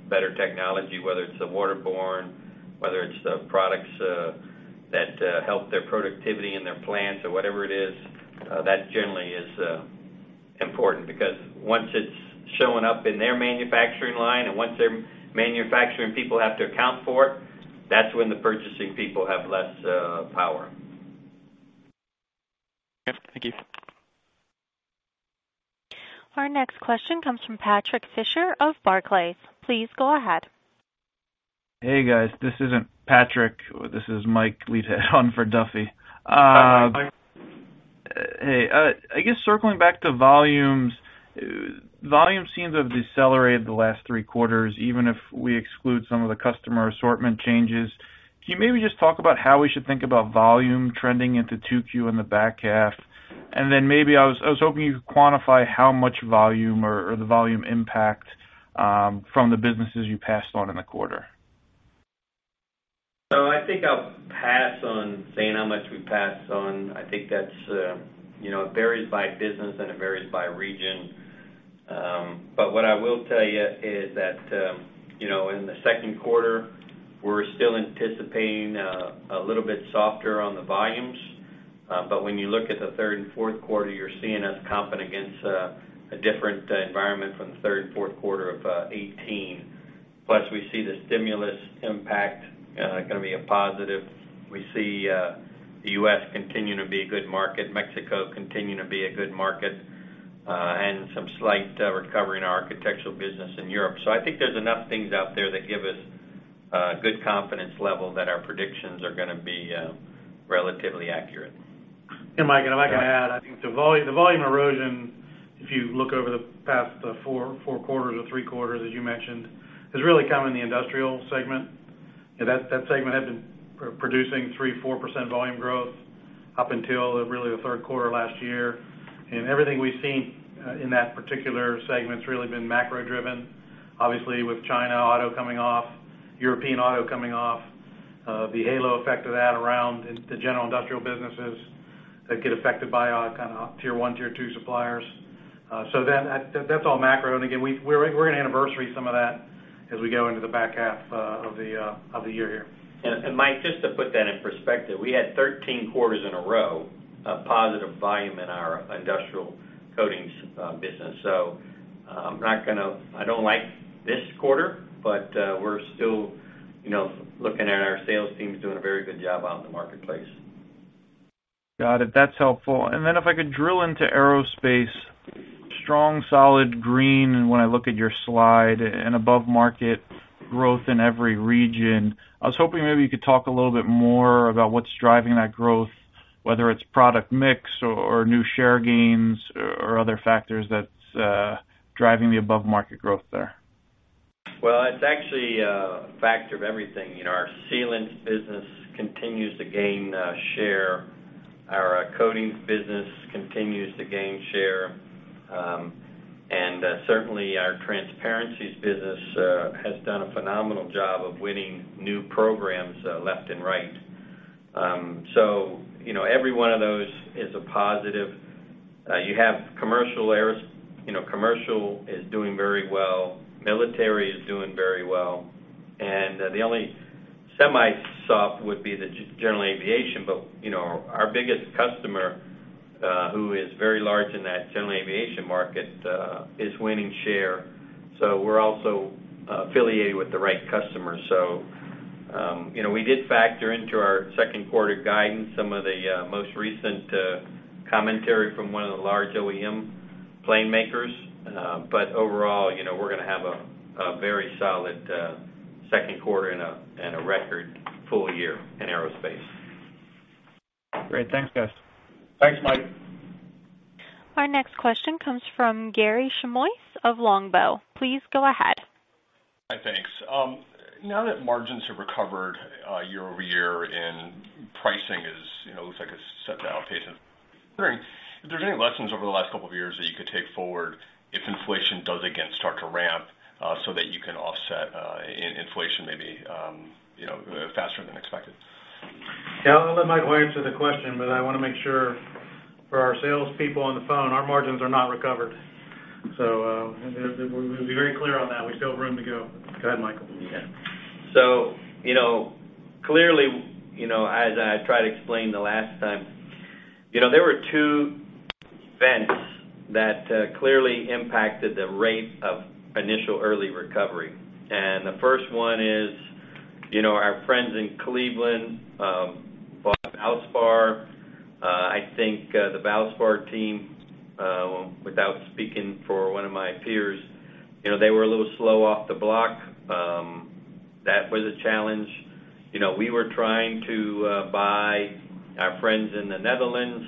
S6: better technology," whether it's the waterborne, whether it's the products that help their productivity and their plants or whatever it is. That generally is important because once it's showing up in their manufacturing line and once their manufacturing people have to account for it, that's when the purchasing people have less power.
S16: Okay. Thank you.
S1: Our next question comes from Patrick Fischer of Barclays. Please go ahead.
S17: Hey, guys. This isn't Patrick. This is Mike Leithead on for Duffy.
S6: Hi, Mike.
S17: Hey. I guess circling back to volumes. Volumes seem to have decelerated the last three quarters, even if we exclude some of the customer assortment changes. Can you maybe just talk about how we should think about volume trending into 2Q in the back half? Then maybe I was hoping you could quantify how much volume or the volume impact from the businesses you passed on in the quarter.
S6: I think I'll pass on saying how much we passed on. I think that varies by business, and it varies by region. What I will tell you is that, in the second quarter, we're still anticipating a little bit softer on the volumes. When you look at the third and fourth quarter, you're seeing us comping against a different environment from the third and fourth quarter of 2018. Plus, we see the stimulus impact going to be a positive. We see the U.S. continuing to be a good market, Mexico continuing to be a good market, and some slight recovery in our architectural business in Europe. I think there's enough things out there that give us a good confidence level that our predictions are going to be relatively accurate. Mike, if I can add, I think the volume erosion, if you look over the past four quarters or three quarters, as you mentioned, has really come in the industrial segment. That segment had been producing 3%-4% volume growth up until really the third quarter of last year. Everything we've seen in that particular segment has really been macro-driven. Obviously, with China auto coming off, European auto coming off. The halo effect of that around the general industrial businesses that get affected by our kind of tier 1, tier 2 suppliers. That's all macro, and again, we're going to anniversary some of that as we go into the back half of the year here.
S3: Mike, just to put that in perspective, we had 13 quarters in a row of positive volume in our industrial coatings business. I don't like this quarter, we're still looking at our sales teams doing a very good job out in the marketplace.
S17: Got it. That's helpful. If I could drill into aerospace, strong, solid green when I look at your slide and above-market growth in every region. I was hoping maybe you could talk a little bit more about what's driving that growth, whether it's product mix or new share gains or other factors that's driving the above-market growth there.
S3: Well, it's actually a factor of everything. Our sealants business continues to gain share. Our coatings business continues to gain share. Certainly, our transparencies business has done a phenomenal job of winning new programs left and right. Every one of those is a positive. You have commercial areas. Commercial is doing very well. Military is doing very well. The only semi-soft would be the general aviation. Our biggest customer, who is very large in that general aviation market, is winning share. We did factor into our second quarter guidance some of the most recent commentary from one of the large OEM plane makers. Overall, we're going to have a very solid second quarter and a record full year in aerospace.
S17: Great. Thanks, guys.
S6: Thanks, Mike.
S1: Our next question comes from Garik Shmois of Longbow. Please go ahead.
S18: Hi, thanks. Now that margins have recovered year-over-year and pricing looks like it's set to outpace, wondering if there's any lessons over the last couple of years that you could take forward if inflation does again start to ramp so that you can offset inflation maybe faster than expected.
S6: I'll let Mike answer the question, but I want to make sure for our salespeople on the phone, our margins are not recovered. We'll be very clear on that. We still have room to go. Go ahead, Michael.
S3: Clearly, as I tried to explain the last time, there were two events that clearly impacted the rate of initial early recovery. The first one is our friends in Cleveland bought Valspar. I think the Valspar team, without speaking for one of my peers, they were a little slow off the block. That was a challenge. We were trying to buy our friends in the Netherlands.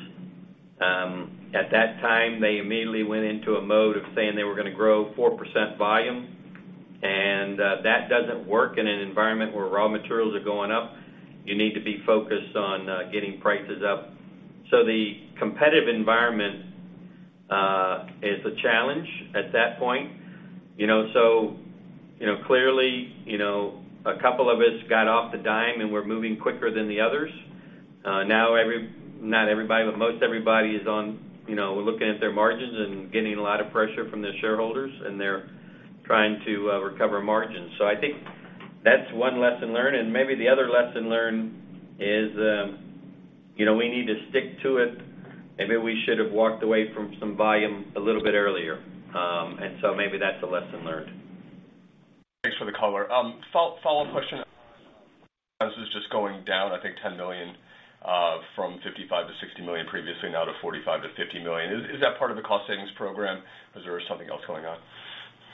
S3: At that time, they immediately went into a mode of saying they were going to grow 4% volume, that doesn't work in an environment where raw materials are going up. You need to be focused on getting prices up. The competitive environment is a challenge at that point. Clearly, a couple of us got off the dime, and we're moving quicker than the others. Now, not everybody, but most everybody is on, we're looking at their margins and getting a lot of pressure from their shareholders, they're trying to recover margins. I think that's one lesson learned, maybe the other lesson learned is we need to stick to it. Maybe we should have walked away from some volume a little bit earlier, maybe that's a lesson learned.
S18: Thanks for the color. Follow-up question. This is just going down, I think, $10 million from $55 million-$60 million previously, now to $45 million-$50 million. Is that part of the cost savings program, or is there something else going on?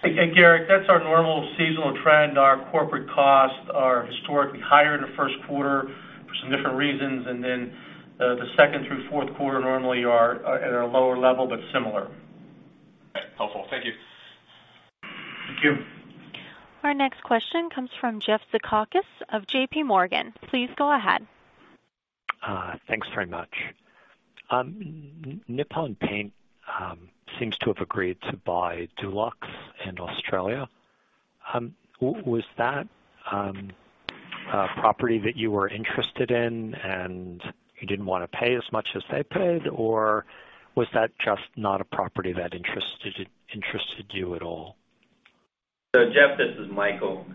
S6: Hey, Garik, that's our normal seasonal trend. Our corporate costs are historically higher in the first quarter for some different reasons, and then the second through fourth quarter normally are at a lower level but similar.
S18: Okay. Helpful. Thank you.
S6: Thank you.
S1: Our next question comes from Jeffrey Zekauskas of JPMorgan. Please go ahead.
S19: Thanks very much. Nippon Paint seems to have agreed to buy Dulux in Australia. Was that a property that you were interested in, you didn't want to pay as much as they paid, or was that just not a property that interested you at all?
S3: Jeff, this is Michael.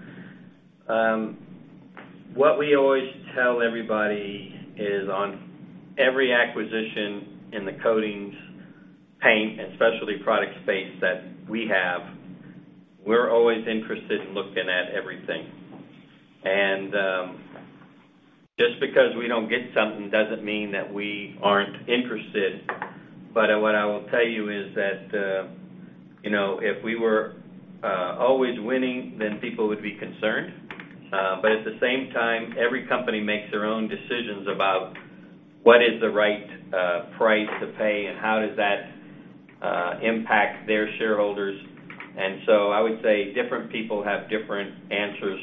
S3: What we always tell everybody is on every acquisition in the coatings, paint, and specialty product space that we have, we're always interested in looking at everything. Just because we don't get something doesn't mean that we aren't interested. What I will tell you is that if we were always winning, then people would be concerned. At the same time, every company makes their own decisions about what is the right price to pay and how does that impact their shareholders. I would say different people have different answers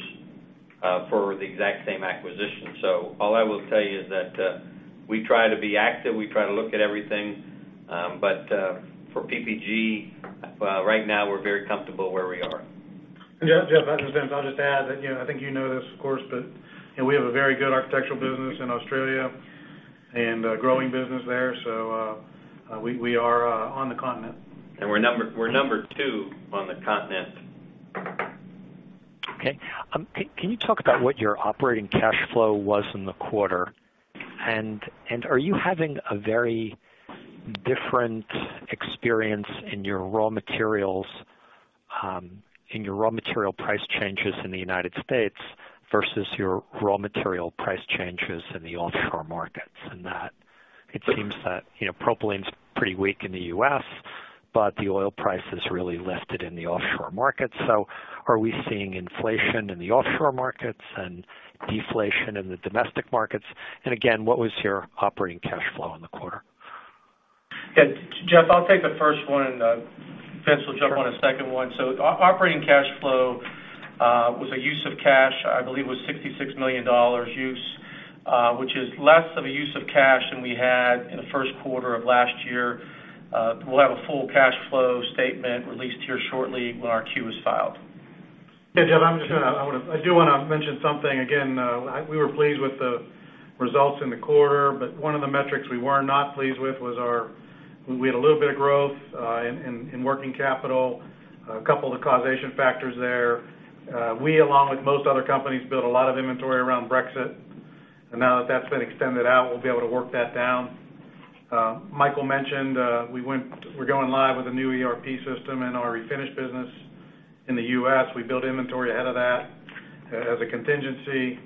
S3: for the exact same acquisition. All I will tell you is that we try to be active. We try to look at everything. For PPG
S6: Well, right now we're very comfortable where we are.
S2: Yeah, Jeff, I'll just add that, I think you know this, of course, but we have a very good architectural business in Australia and a growing business there. We are on the continent.
S6: We're number two on the continent.
S19: Okay. Can you talk about what your operating cash flow was in the quarter? Are you having a very different experience in your raw material price changes in the U.S. versus your raw material price changes in the offshore markets, in that it seems that propylene's pretty weak in the U.S., but the oil price has really lifted in the offshore market. Are we seeing inflation in the offshore markets and deflation in the domestic markets? Again, what was your operating cash flow in the quarter?
S2: Yeah. Jeff, I'll take the first one, Vince will jump on the second one. Operating cash flow was a use of cash, I believe it was $66 million use, which is less of a use of cash than we had in the first quarter of last year. We'll have a full cash flow statement released here shortly when our Q is filed.
S6: Yeah, Jeff, I do want to mention something. Again, we were pleased with the results in the quarter, but one of the metrics we were not pleased with. We had a little bit of growth in working capital, a couple of causation factors there. We, along with most other companies, built a lot of inventory around Brexit. Now that that's been extended out, we'll be able to work that down. Michael mentioned we're going live with a new ERP system in our refinish business in the U.S. We built inventory ahead of that as a contingency.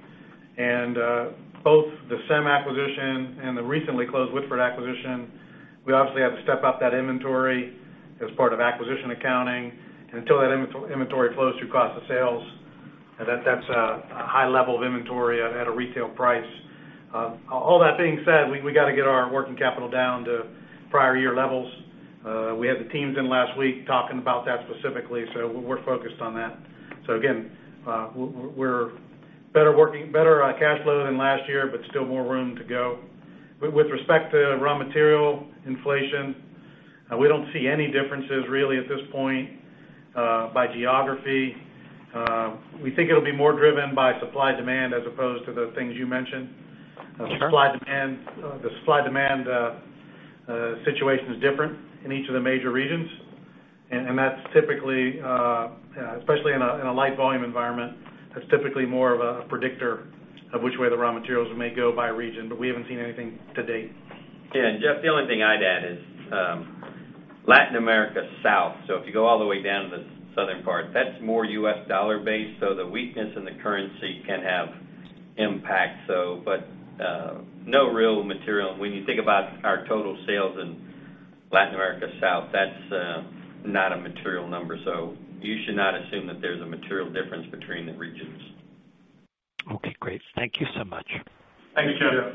S6: Both the SEM acquisition and the recently closed Whitford acquisition, we obviously had to step up that inventory as part of acquisition accounting. Until that inventory flows through cost of sales, that's a high level of inventory at a retail price. All that being said, we got to get our working capital down to prior year levels. We had the teams in last week talking about that specifically. We're focused on that. Again, we're better cash flow than last year, but still more room to go. With respect to raw material inflation, we don't see any differences really at this point by geography. We think it'll be more driven by supply demand as opposed to the things you mentioned.
S19: Sure.
S6: The supply demand situation is different in each of the major regions, especially in a light volume environment, that's typically more of a predictor of which way the raw materials may go by region, but we haven't seen anything to date. Jeff, the only thing I'd add is Latin America South. If you go all the way down to the southern part, that's more U.S. dollar based, so the weakness in the currency can have impact. No real material. When you think about our total sales in Latin America South, that's not a material number. You should not assume that there's a material difference between the regions.
S19: Okay, great. Thank you so much.
S2: Thanks, Jeff.
S6: Thanks, Jeff.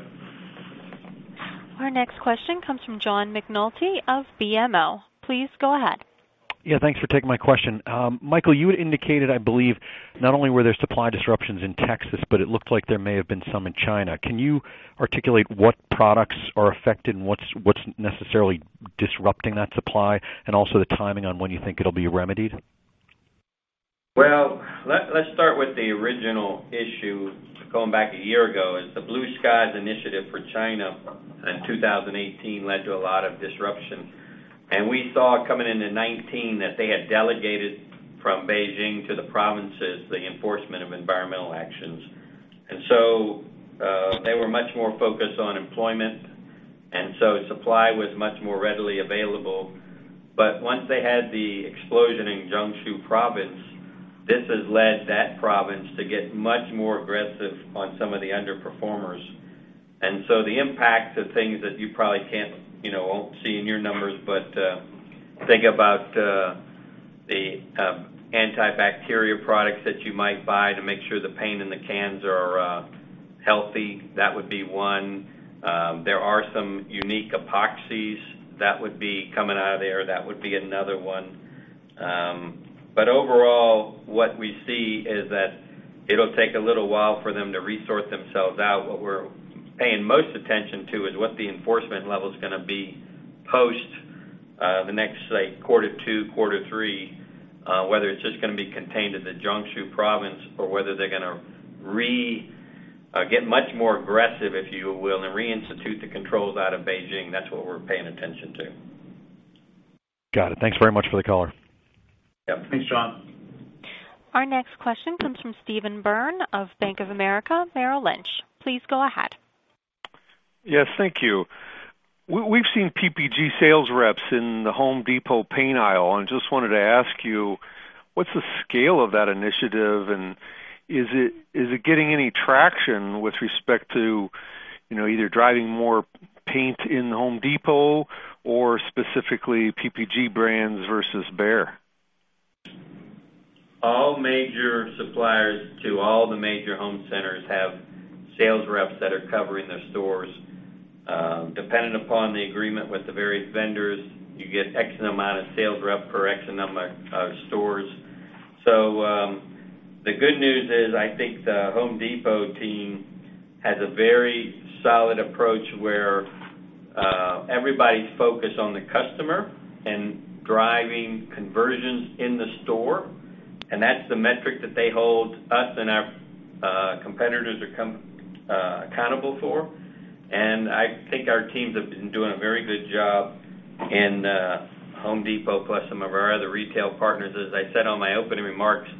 S1: Our next question comes from John McNulty of BMO. Please go ahead.
S20: Yeah, thanks for taking my question. Michael, you had indicated, I believe, not only were there supply disruptions in Texas, but it looked like there may have been some in China. Can you articulate what products are affected and what's necessarily disrupting that supply, and also the timing on when you think it'll be remedied?
S6: Well, let's start with the original issue, going back a year ago, is the Blue Sky initiative for China in 2018 led to a lot of disruption. We saw coming into 2019 that they had delegated from Beijing to the provinces the enforcement of environmental actions. They were much more focused on employment, and so supply was much more readily available. Once they had the explosion in Jiangsu Province, this has led that province to get much more aggressive on some of the underperformers. The impact of things that you probably won't see in your numbers, but think about the antibacterial products that you might buy to make sure the paint in the cans are healthy. That would be one. There are some unique epoxies that would be coming out of there. That would be another one. Overall, what we see is that it'll take a little while for them to resource themselves out. What we're paying most attention to is what the enforcement level is gonna be post the next, say, quarter two, quarter three, whether it's just gonna be contained in the Jiangsu Province or whether they're gonna get much more aggressive, if you will, and reinstitute the controls out of Beijing. That's what we're paying attention to.
S20: Got it. Thanks very much for the color.
S6: Yep.
S2: Thanks, John.
S1: Our next question comes from Stephen Byrne of Bank of America Merrill Lynch. Please go ahead.
S21: Yes, thank you. We've seen PPG sales reps in The Home Depot paint aisle, just wanted to ask you, what's the scale of that initiative, and is it getting any traction with respect to either driving more paint in The Home Depot or specifically PPG brands versus BEHR?
S6: All major suppliers to all the major home centers have sales reps that are covering their stores. Depending upon the agreement with the various vendors, you get X amount of sales rep for X number of stores.
S3: The good news is, I think The Home Depot team has a very solid approach where everybody's focused on the customer and driving conversions in the store, and that's the metric that they hold us and our competitors accountable for. I think our teams have been doing a very good job in The Home Depot, plus some of our other retail partners. As I said on my opening remarks,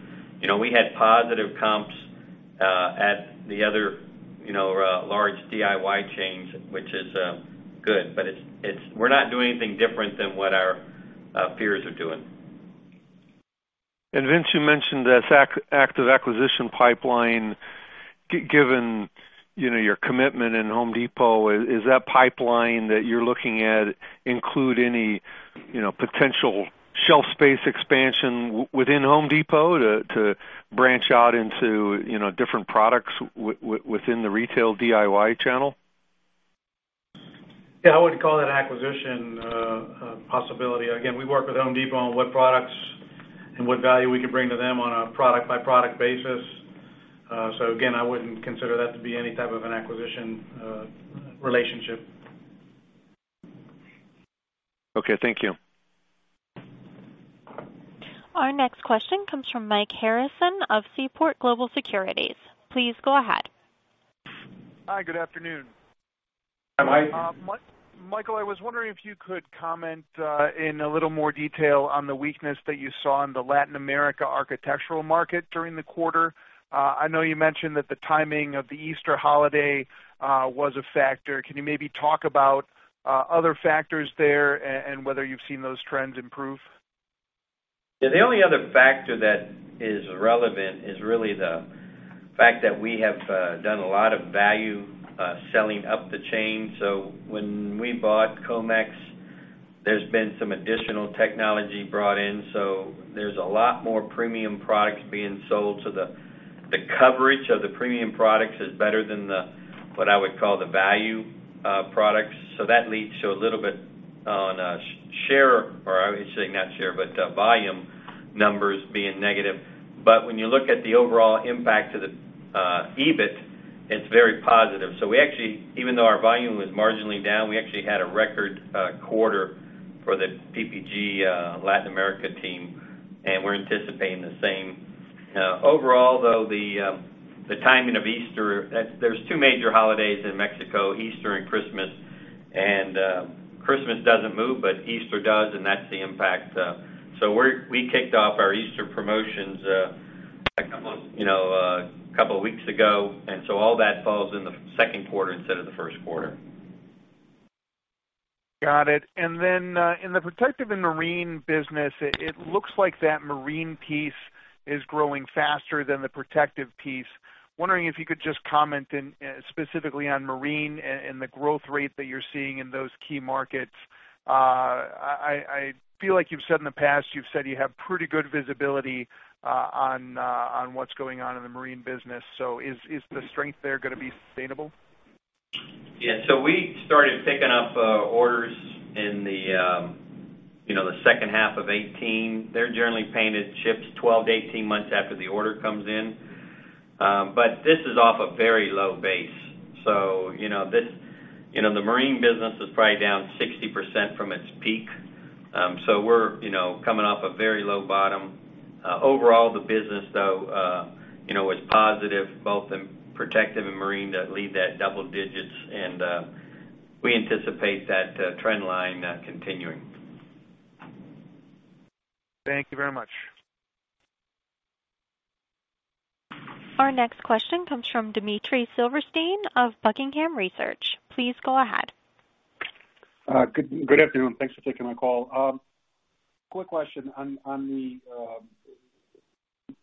S3: we had positive comps at the other large DIY chains, which is good, but we're not doing anything different than what our peers are doing.
S21: Vince, you mentioned that active acquisition pipeline. Given your commitment in The Home Depot, is that pipeline that you're looking at include any potential shelf space expansion within The Home Depot to branch out into different products within the retail DIY channel?
S6: Yeah, I wouldn't call that acquisition a possibility. Again, we work with Home Depot on what products and what value we can bring to them on a product-by-product basis. Again, I wouldn't consider that to be any type of an acquisition relationship.
S21: Okay, thank you.
S1: Our next question comes from Mike Harrison of Seaport Global Securities. Please go ahead.
S22: Hi, good afternoon.
S3: Hi, Mike.
S22: Michael, I was wondering if you could comment in a little more detail on the weakness that you saw in the Latin America architectural market during the quarter. I know you mentioned that the timing of the Easter holiday was a factor. Can you maybe talk about other factors there and whether you've seen those trends improve?
S3: Yeah, the only other factor that is relevant is really the fact that we have done a lot of value selling up the chain. When we bought Comex, there's been some additional technology brought in, there's a lot more premium products being sold. The coverage of the premium products is better than what I would call the value products. That leads to a little bit on share, but volume numbers being negative. When you look at the overall impact to the EBIT, it's very positive. Even though our volume was marginally down, we actually had a record quarter for the PPG Latin America team, and we're anticipating the same. Overall, though, the timing of Easter, there's two major holidays in Mexico, Easter and Christmas, and Christmas doesn't move, but Easter does, and that's the impact. We kicked off our Easter promotions a couple of weeks ago, all that falls in the second quarter instead of the first quarter.
S22: Got it. In the protective and marine business, it looks like that marine piece is growing faster than the protective piece. Wondering if you could just comment specifically on marine and the growth rate that you're seeing in those key markets. I feel like you've said in the past, you've said you have pretty good visibility on what's going on in the marine business. Is the strength there going to be sustainable?
S3: Yeah. We started picking up orders in the second half of 2018. They're generally painted ships 12-18 months after the order comes in. This is off a very low base. The marine business is probably down 60% from its peak. We're coming off a very low bottom. Overall, the business, though, was positive both in protective and marine that lead that double digits, and we anticipate that trend line continuing.
S22: Thank you very much.
S1: Our next question comes from Dmitry Silversteyn of Buckingham Research. Please go ahead.
S23: Good afternoon. Thanks for taking my call. Quick question on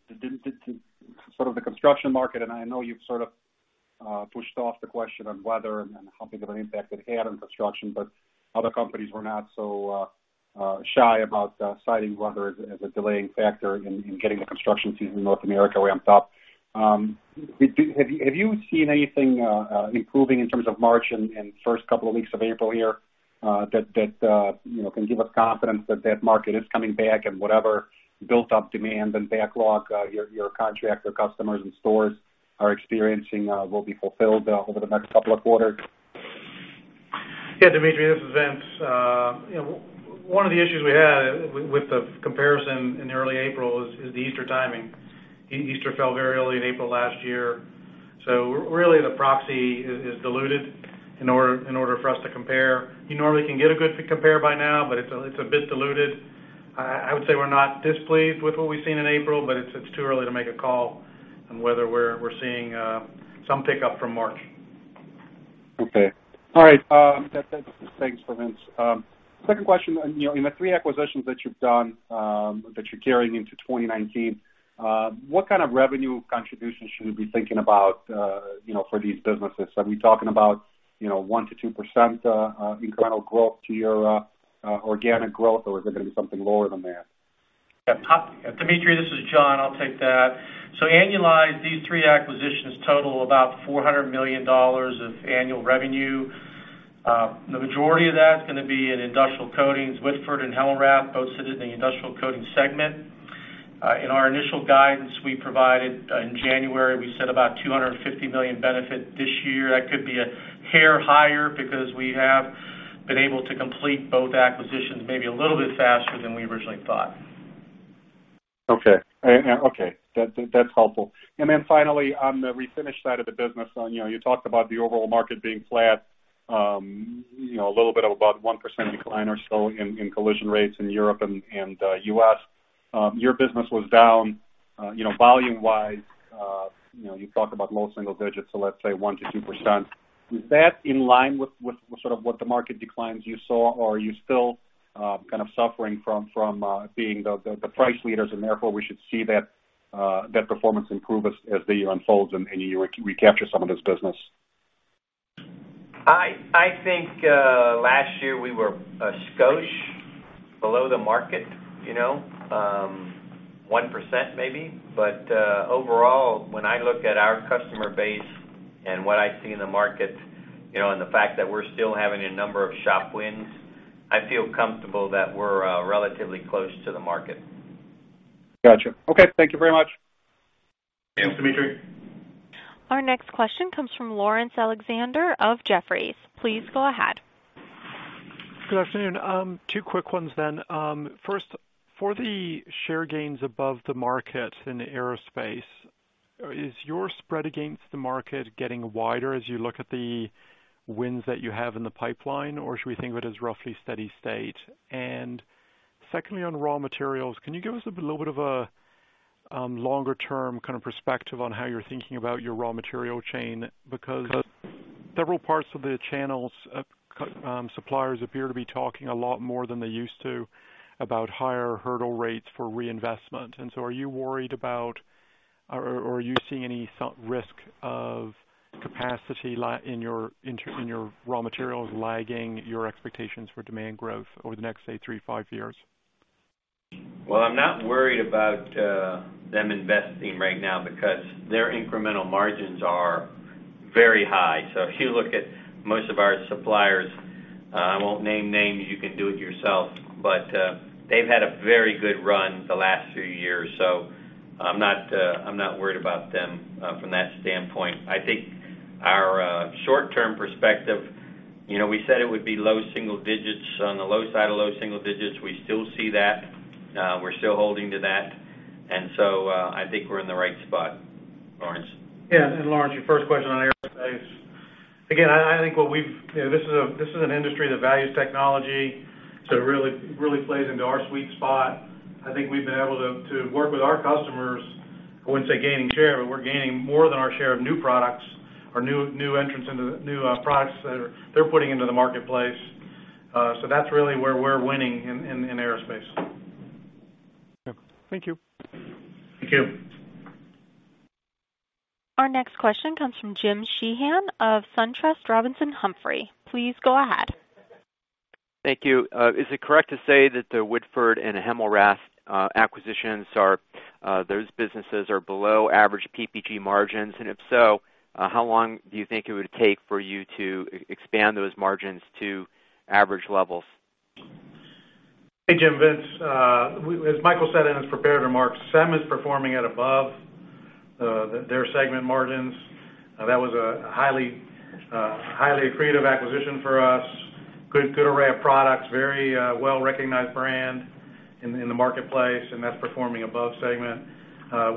S23: the construction market. I know you've sort of pushed off the question on whether and how big of an impact it had on construction, other companies were not so shy about citing weather as a delaying factor in getting the construction season in North America ramped up. Have you seen anything improving in terms of March and first couple of weeks of April here that can give us confidence that that market is coming back and whatever built up demand and backlog your contractor customers and stores are experiencing will be fulfilled over the next couple of quarters?
S6: Yeah, Dmitry, this is Vince. One of the issues we had with the comparison in early April is the Easter timing. Easter fell very early in April last year, really the proxy is diluted in order for us to compare. You normally can get a good compare by now, it's a bit diluted. I would say we're not displeased with what we've seen in April, it's too early to make a call on whether we're seeing some pickup from March.
S23: Okay. All right. Thanks, Vince. Second question. In the three acquisitions that you've done, that you're carrying into 2019, what kind of revenue contribution should we be thinking about for these businesses? Are we talking about 1%-2% incremental growth to your organic growth, is it going to be something lower than that?
S2: Dmitry, this is John. I'll take that. These three acquisitions total about $400 million of annual revenue. The majority of that is going to be in industrial coatings. Whitford and Hemmelrath both sit in the industrial coatings segment. In our initial guidance we provided in January, we said about $250 million benefit this year. That could be a hair higher because we have been able to complete both acquisitions maybe a little bit faster than we originally thought.
S23: Okay. That's helpful. Finally, on the refinish side of the business, you talked about the overall market being flat, a little bit of about 1% decline or so in collision rates in Europe and the U.S. Your business was down volume-wise. You talked about low single digits, so let's say 1%-2%. Is that in line with what the market declines you saw, or are you still suffering from being the price leaders and therefore we should see that performance improve as the year unfolds and you recapture some of this business?
S3: I think, last year we were a skosh below the market, 1% maybe. Overall, when I look at our customer base and what I see in the market, and the fact that we're still having a number of shop wins, I feel comfortable that we're relatively close to the market.
S23: Got you. Okay. Thank you very much.
S6: Thanks, Dmitry.
S1: Our next question comes from Laurence Alexander of Jefferies. Please go ahead.
S24: Good afternoon. Two quick ones then. First, for the share gains above the market in aerospace, is your spread against the market getting wider as you look at the wins that you have in the pipeline, or should we think of it as roughly steady state? Secondly, on raw materials, can you give us a bit of a longer-term perspective on how you're thinking about your raw material chain? Because several parts of the channels suppliers appear to be talking a lot more than they used to about higher hurdle rates for reinvestment. Are you worried about, or are you seeing any risk of capacity in your raw materials lagging your expectations for demand growth over the next, say, 3-5 years?
S3: I'm not worried about them investing right now because their incremental margins are very high. If you look at most of our suppliers, I won't name names, you can do it yourself, they've had a very good run the last few years, I'm not worried about them from that standpoint. I think our short-term perspective, we said it would be low single digits, on the low side of low single digits. We still see that. We still holding to that. I think we're in the right spot, Laurence.
S6: Again, I think this is an industry that values technology, it really plays into our sweet spot. I think we've been able to work with our customers, I wouldn't say gaining share, we're gaining more than our share of new products or new entrants into the new products that they're putting into the marketplace. That's really where we're winning in aerospace.
S24: Okay. Thank you.
S3: Thank you.
S1: Our next question comes from James Sheehan of SunTrust Robinson Humphrey. Please go ahead.
S25: Thank you. Is it correct to say that the Whitford and Hemmelrath acquisitions, those businesses are below average PPG margins? If so, how long do you think it would take for you to expand those margins to average levels?
S6: Hey, Jim. Vince. As Michael McGarry said in his prepared remarks, SEM is performing at above their segment margins. That was a highly creative acquisition for us. Good array of products, very well-recognized brand in the marketplace. That's performing above segment.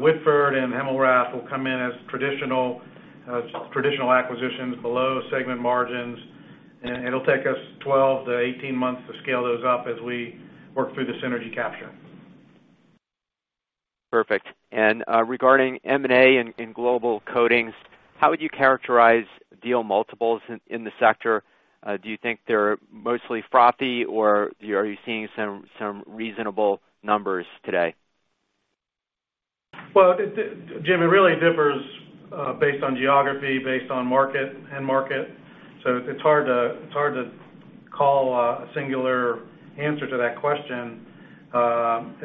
S6: Whitford and Hemmelrath will come in as traditional acquisitions below segment margins. It'll take us 12-18 months to scale those up as we work through the synergy capture.
S25: Perfect. Regarding M&A in global coatings, how would you characterize deal multiples in the sector? Do you think they're mostly frothy, or are you seeing some reasonable numbers today?
S6: Well, Jim, it really differs based on geography, based on end market. It's hard to call a singular answer to that question.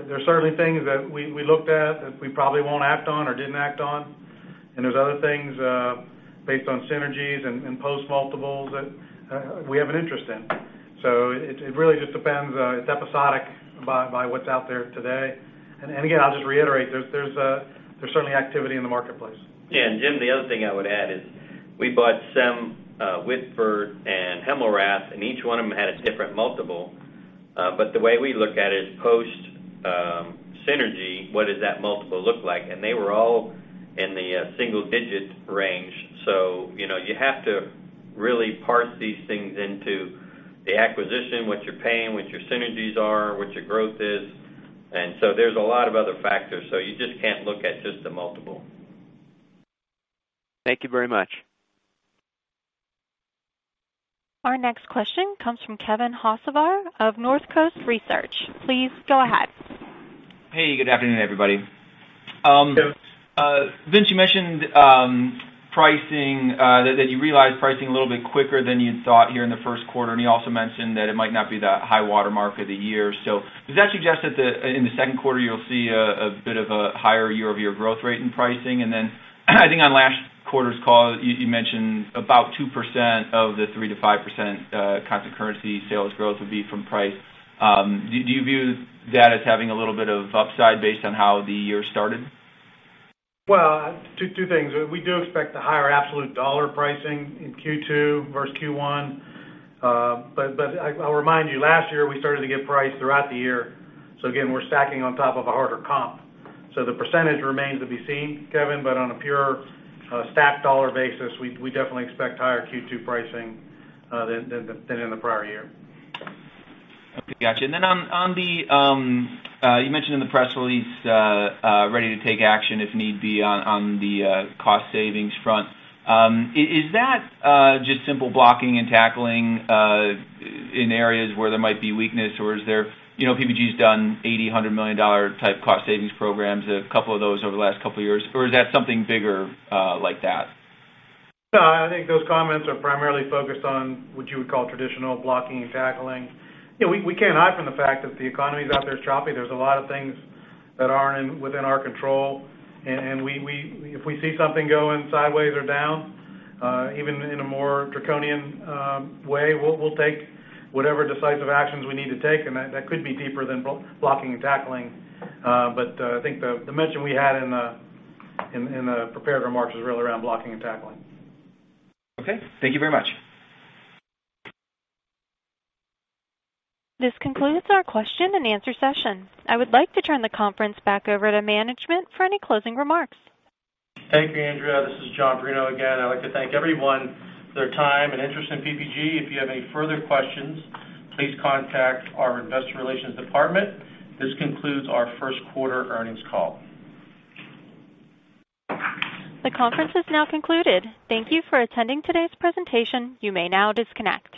S6: There's certainly things that we looked at that we probably won't act on or didn't act on. There's other things, based on synergies and post multiples, that we have an interest in. It really just depends. It's episodic by what's out there today. Again, I'll just reiterate, there's certainly activity in the marketplace.
S3: Yeah. Jim, the other thing I would add is we bought SEM, Whitford, and Hemmelrath. Each one of them had a different multiple. The way we look at it is post synergy, what does that multiple look like? They were all in the single-digit range. You have to really parse these things into the acquisition, what you're paying, what your synergies are, what your growth is. There's a lot of other factors. You just can't look at just the multiple.
S25: Thank you very much.
S1: Our next question comes from Kevin Hocevar of Northcoast Research. Please go ahead.
S26: Hey, good afternoon, everybody.
S6: Hey.
S26: Vince, you mentioned pricing, that you realized pricing a little bit quicker than you'd thought here in the first quarter, and he also mentioned that it might not be that high water mark of the year. Does that suggest that in the second quarter, you'll see a bit of a higher year-over-year growth rate in pricing? I think on last quarter's call, you mentioned about 2% of the 3%-5% constant currency sales growth would be from price. Do you view that as having a little bit of upside based on how the year started?
S6: Two things. We do expect the higher absolute dollar pricing in Q2 versus Q1. I'll remind you, last year, we started to get price throughout the year. Again, we're stacking on top of a harder comp. The percentage remains to be seen, Kevin, but on a pure stack dollar basis, we definitely expect higher Q2 pricing than in the prior year.
S26: Okay, got you. You mentioned in the press release, ready to take action if need be on the cost savings front. Is that just simple blocking and tackling in areas where there might be weakness, or PPG's done $80 million-$100 million type cost savings programs, a couple of those over the last couple of years, or is that something bigger like that?
S6: No, I think those comments are primarily focused on what you would call traditional blocking and tackling. We can't hide from the fact that the economy's out there is choppy. There's a lot of things that aren't within our control, and if we see something going sideways or down, even in a more draconian way, we'll take whatever decisive actions we need to take, and that could be deeper than blocking and tackling. I think the mention we had in the prepared remarks was really around blocking and tackling.
S26: Okay. Thank you very much.
S1: This concludes our question and answer session. I would like to turn the conference back over to management for any closing remarks.
S2: Thank you, Andrea. This is John Bruno again. I'd like to thank everyone for their time and interest in PPG. If you have any further questions, please contact our investor relations department. This concludes our first quarter earnings call.
S1: The conference is now concluded. Thank you for attending today's presentation. You may now disconnect.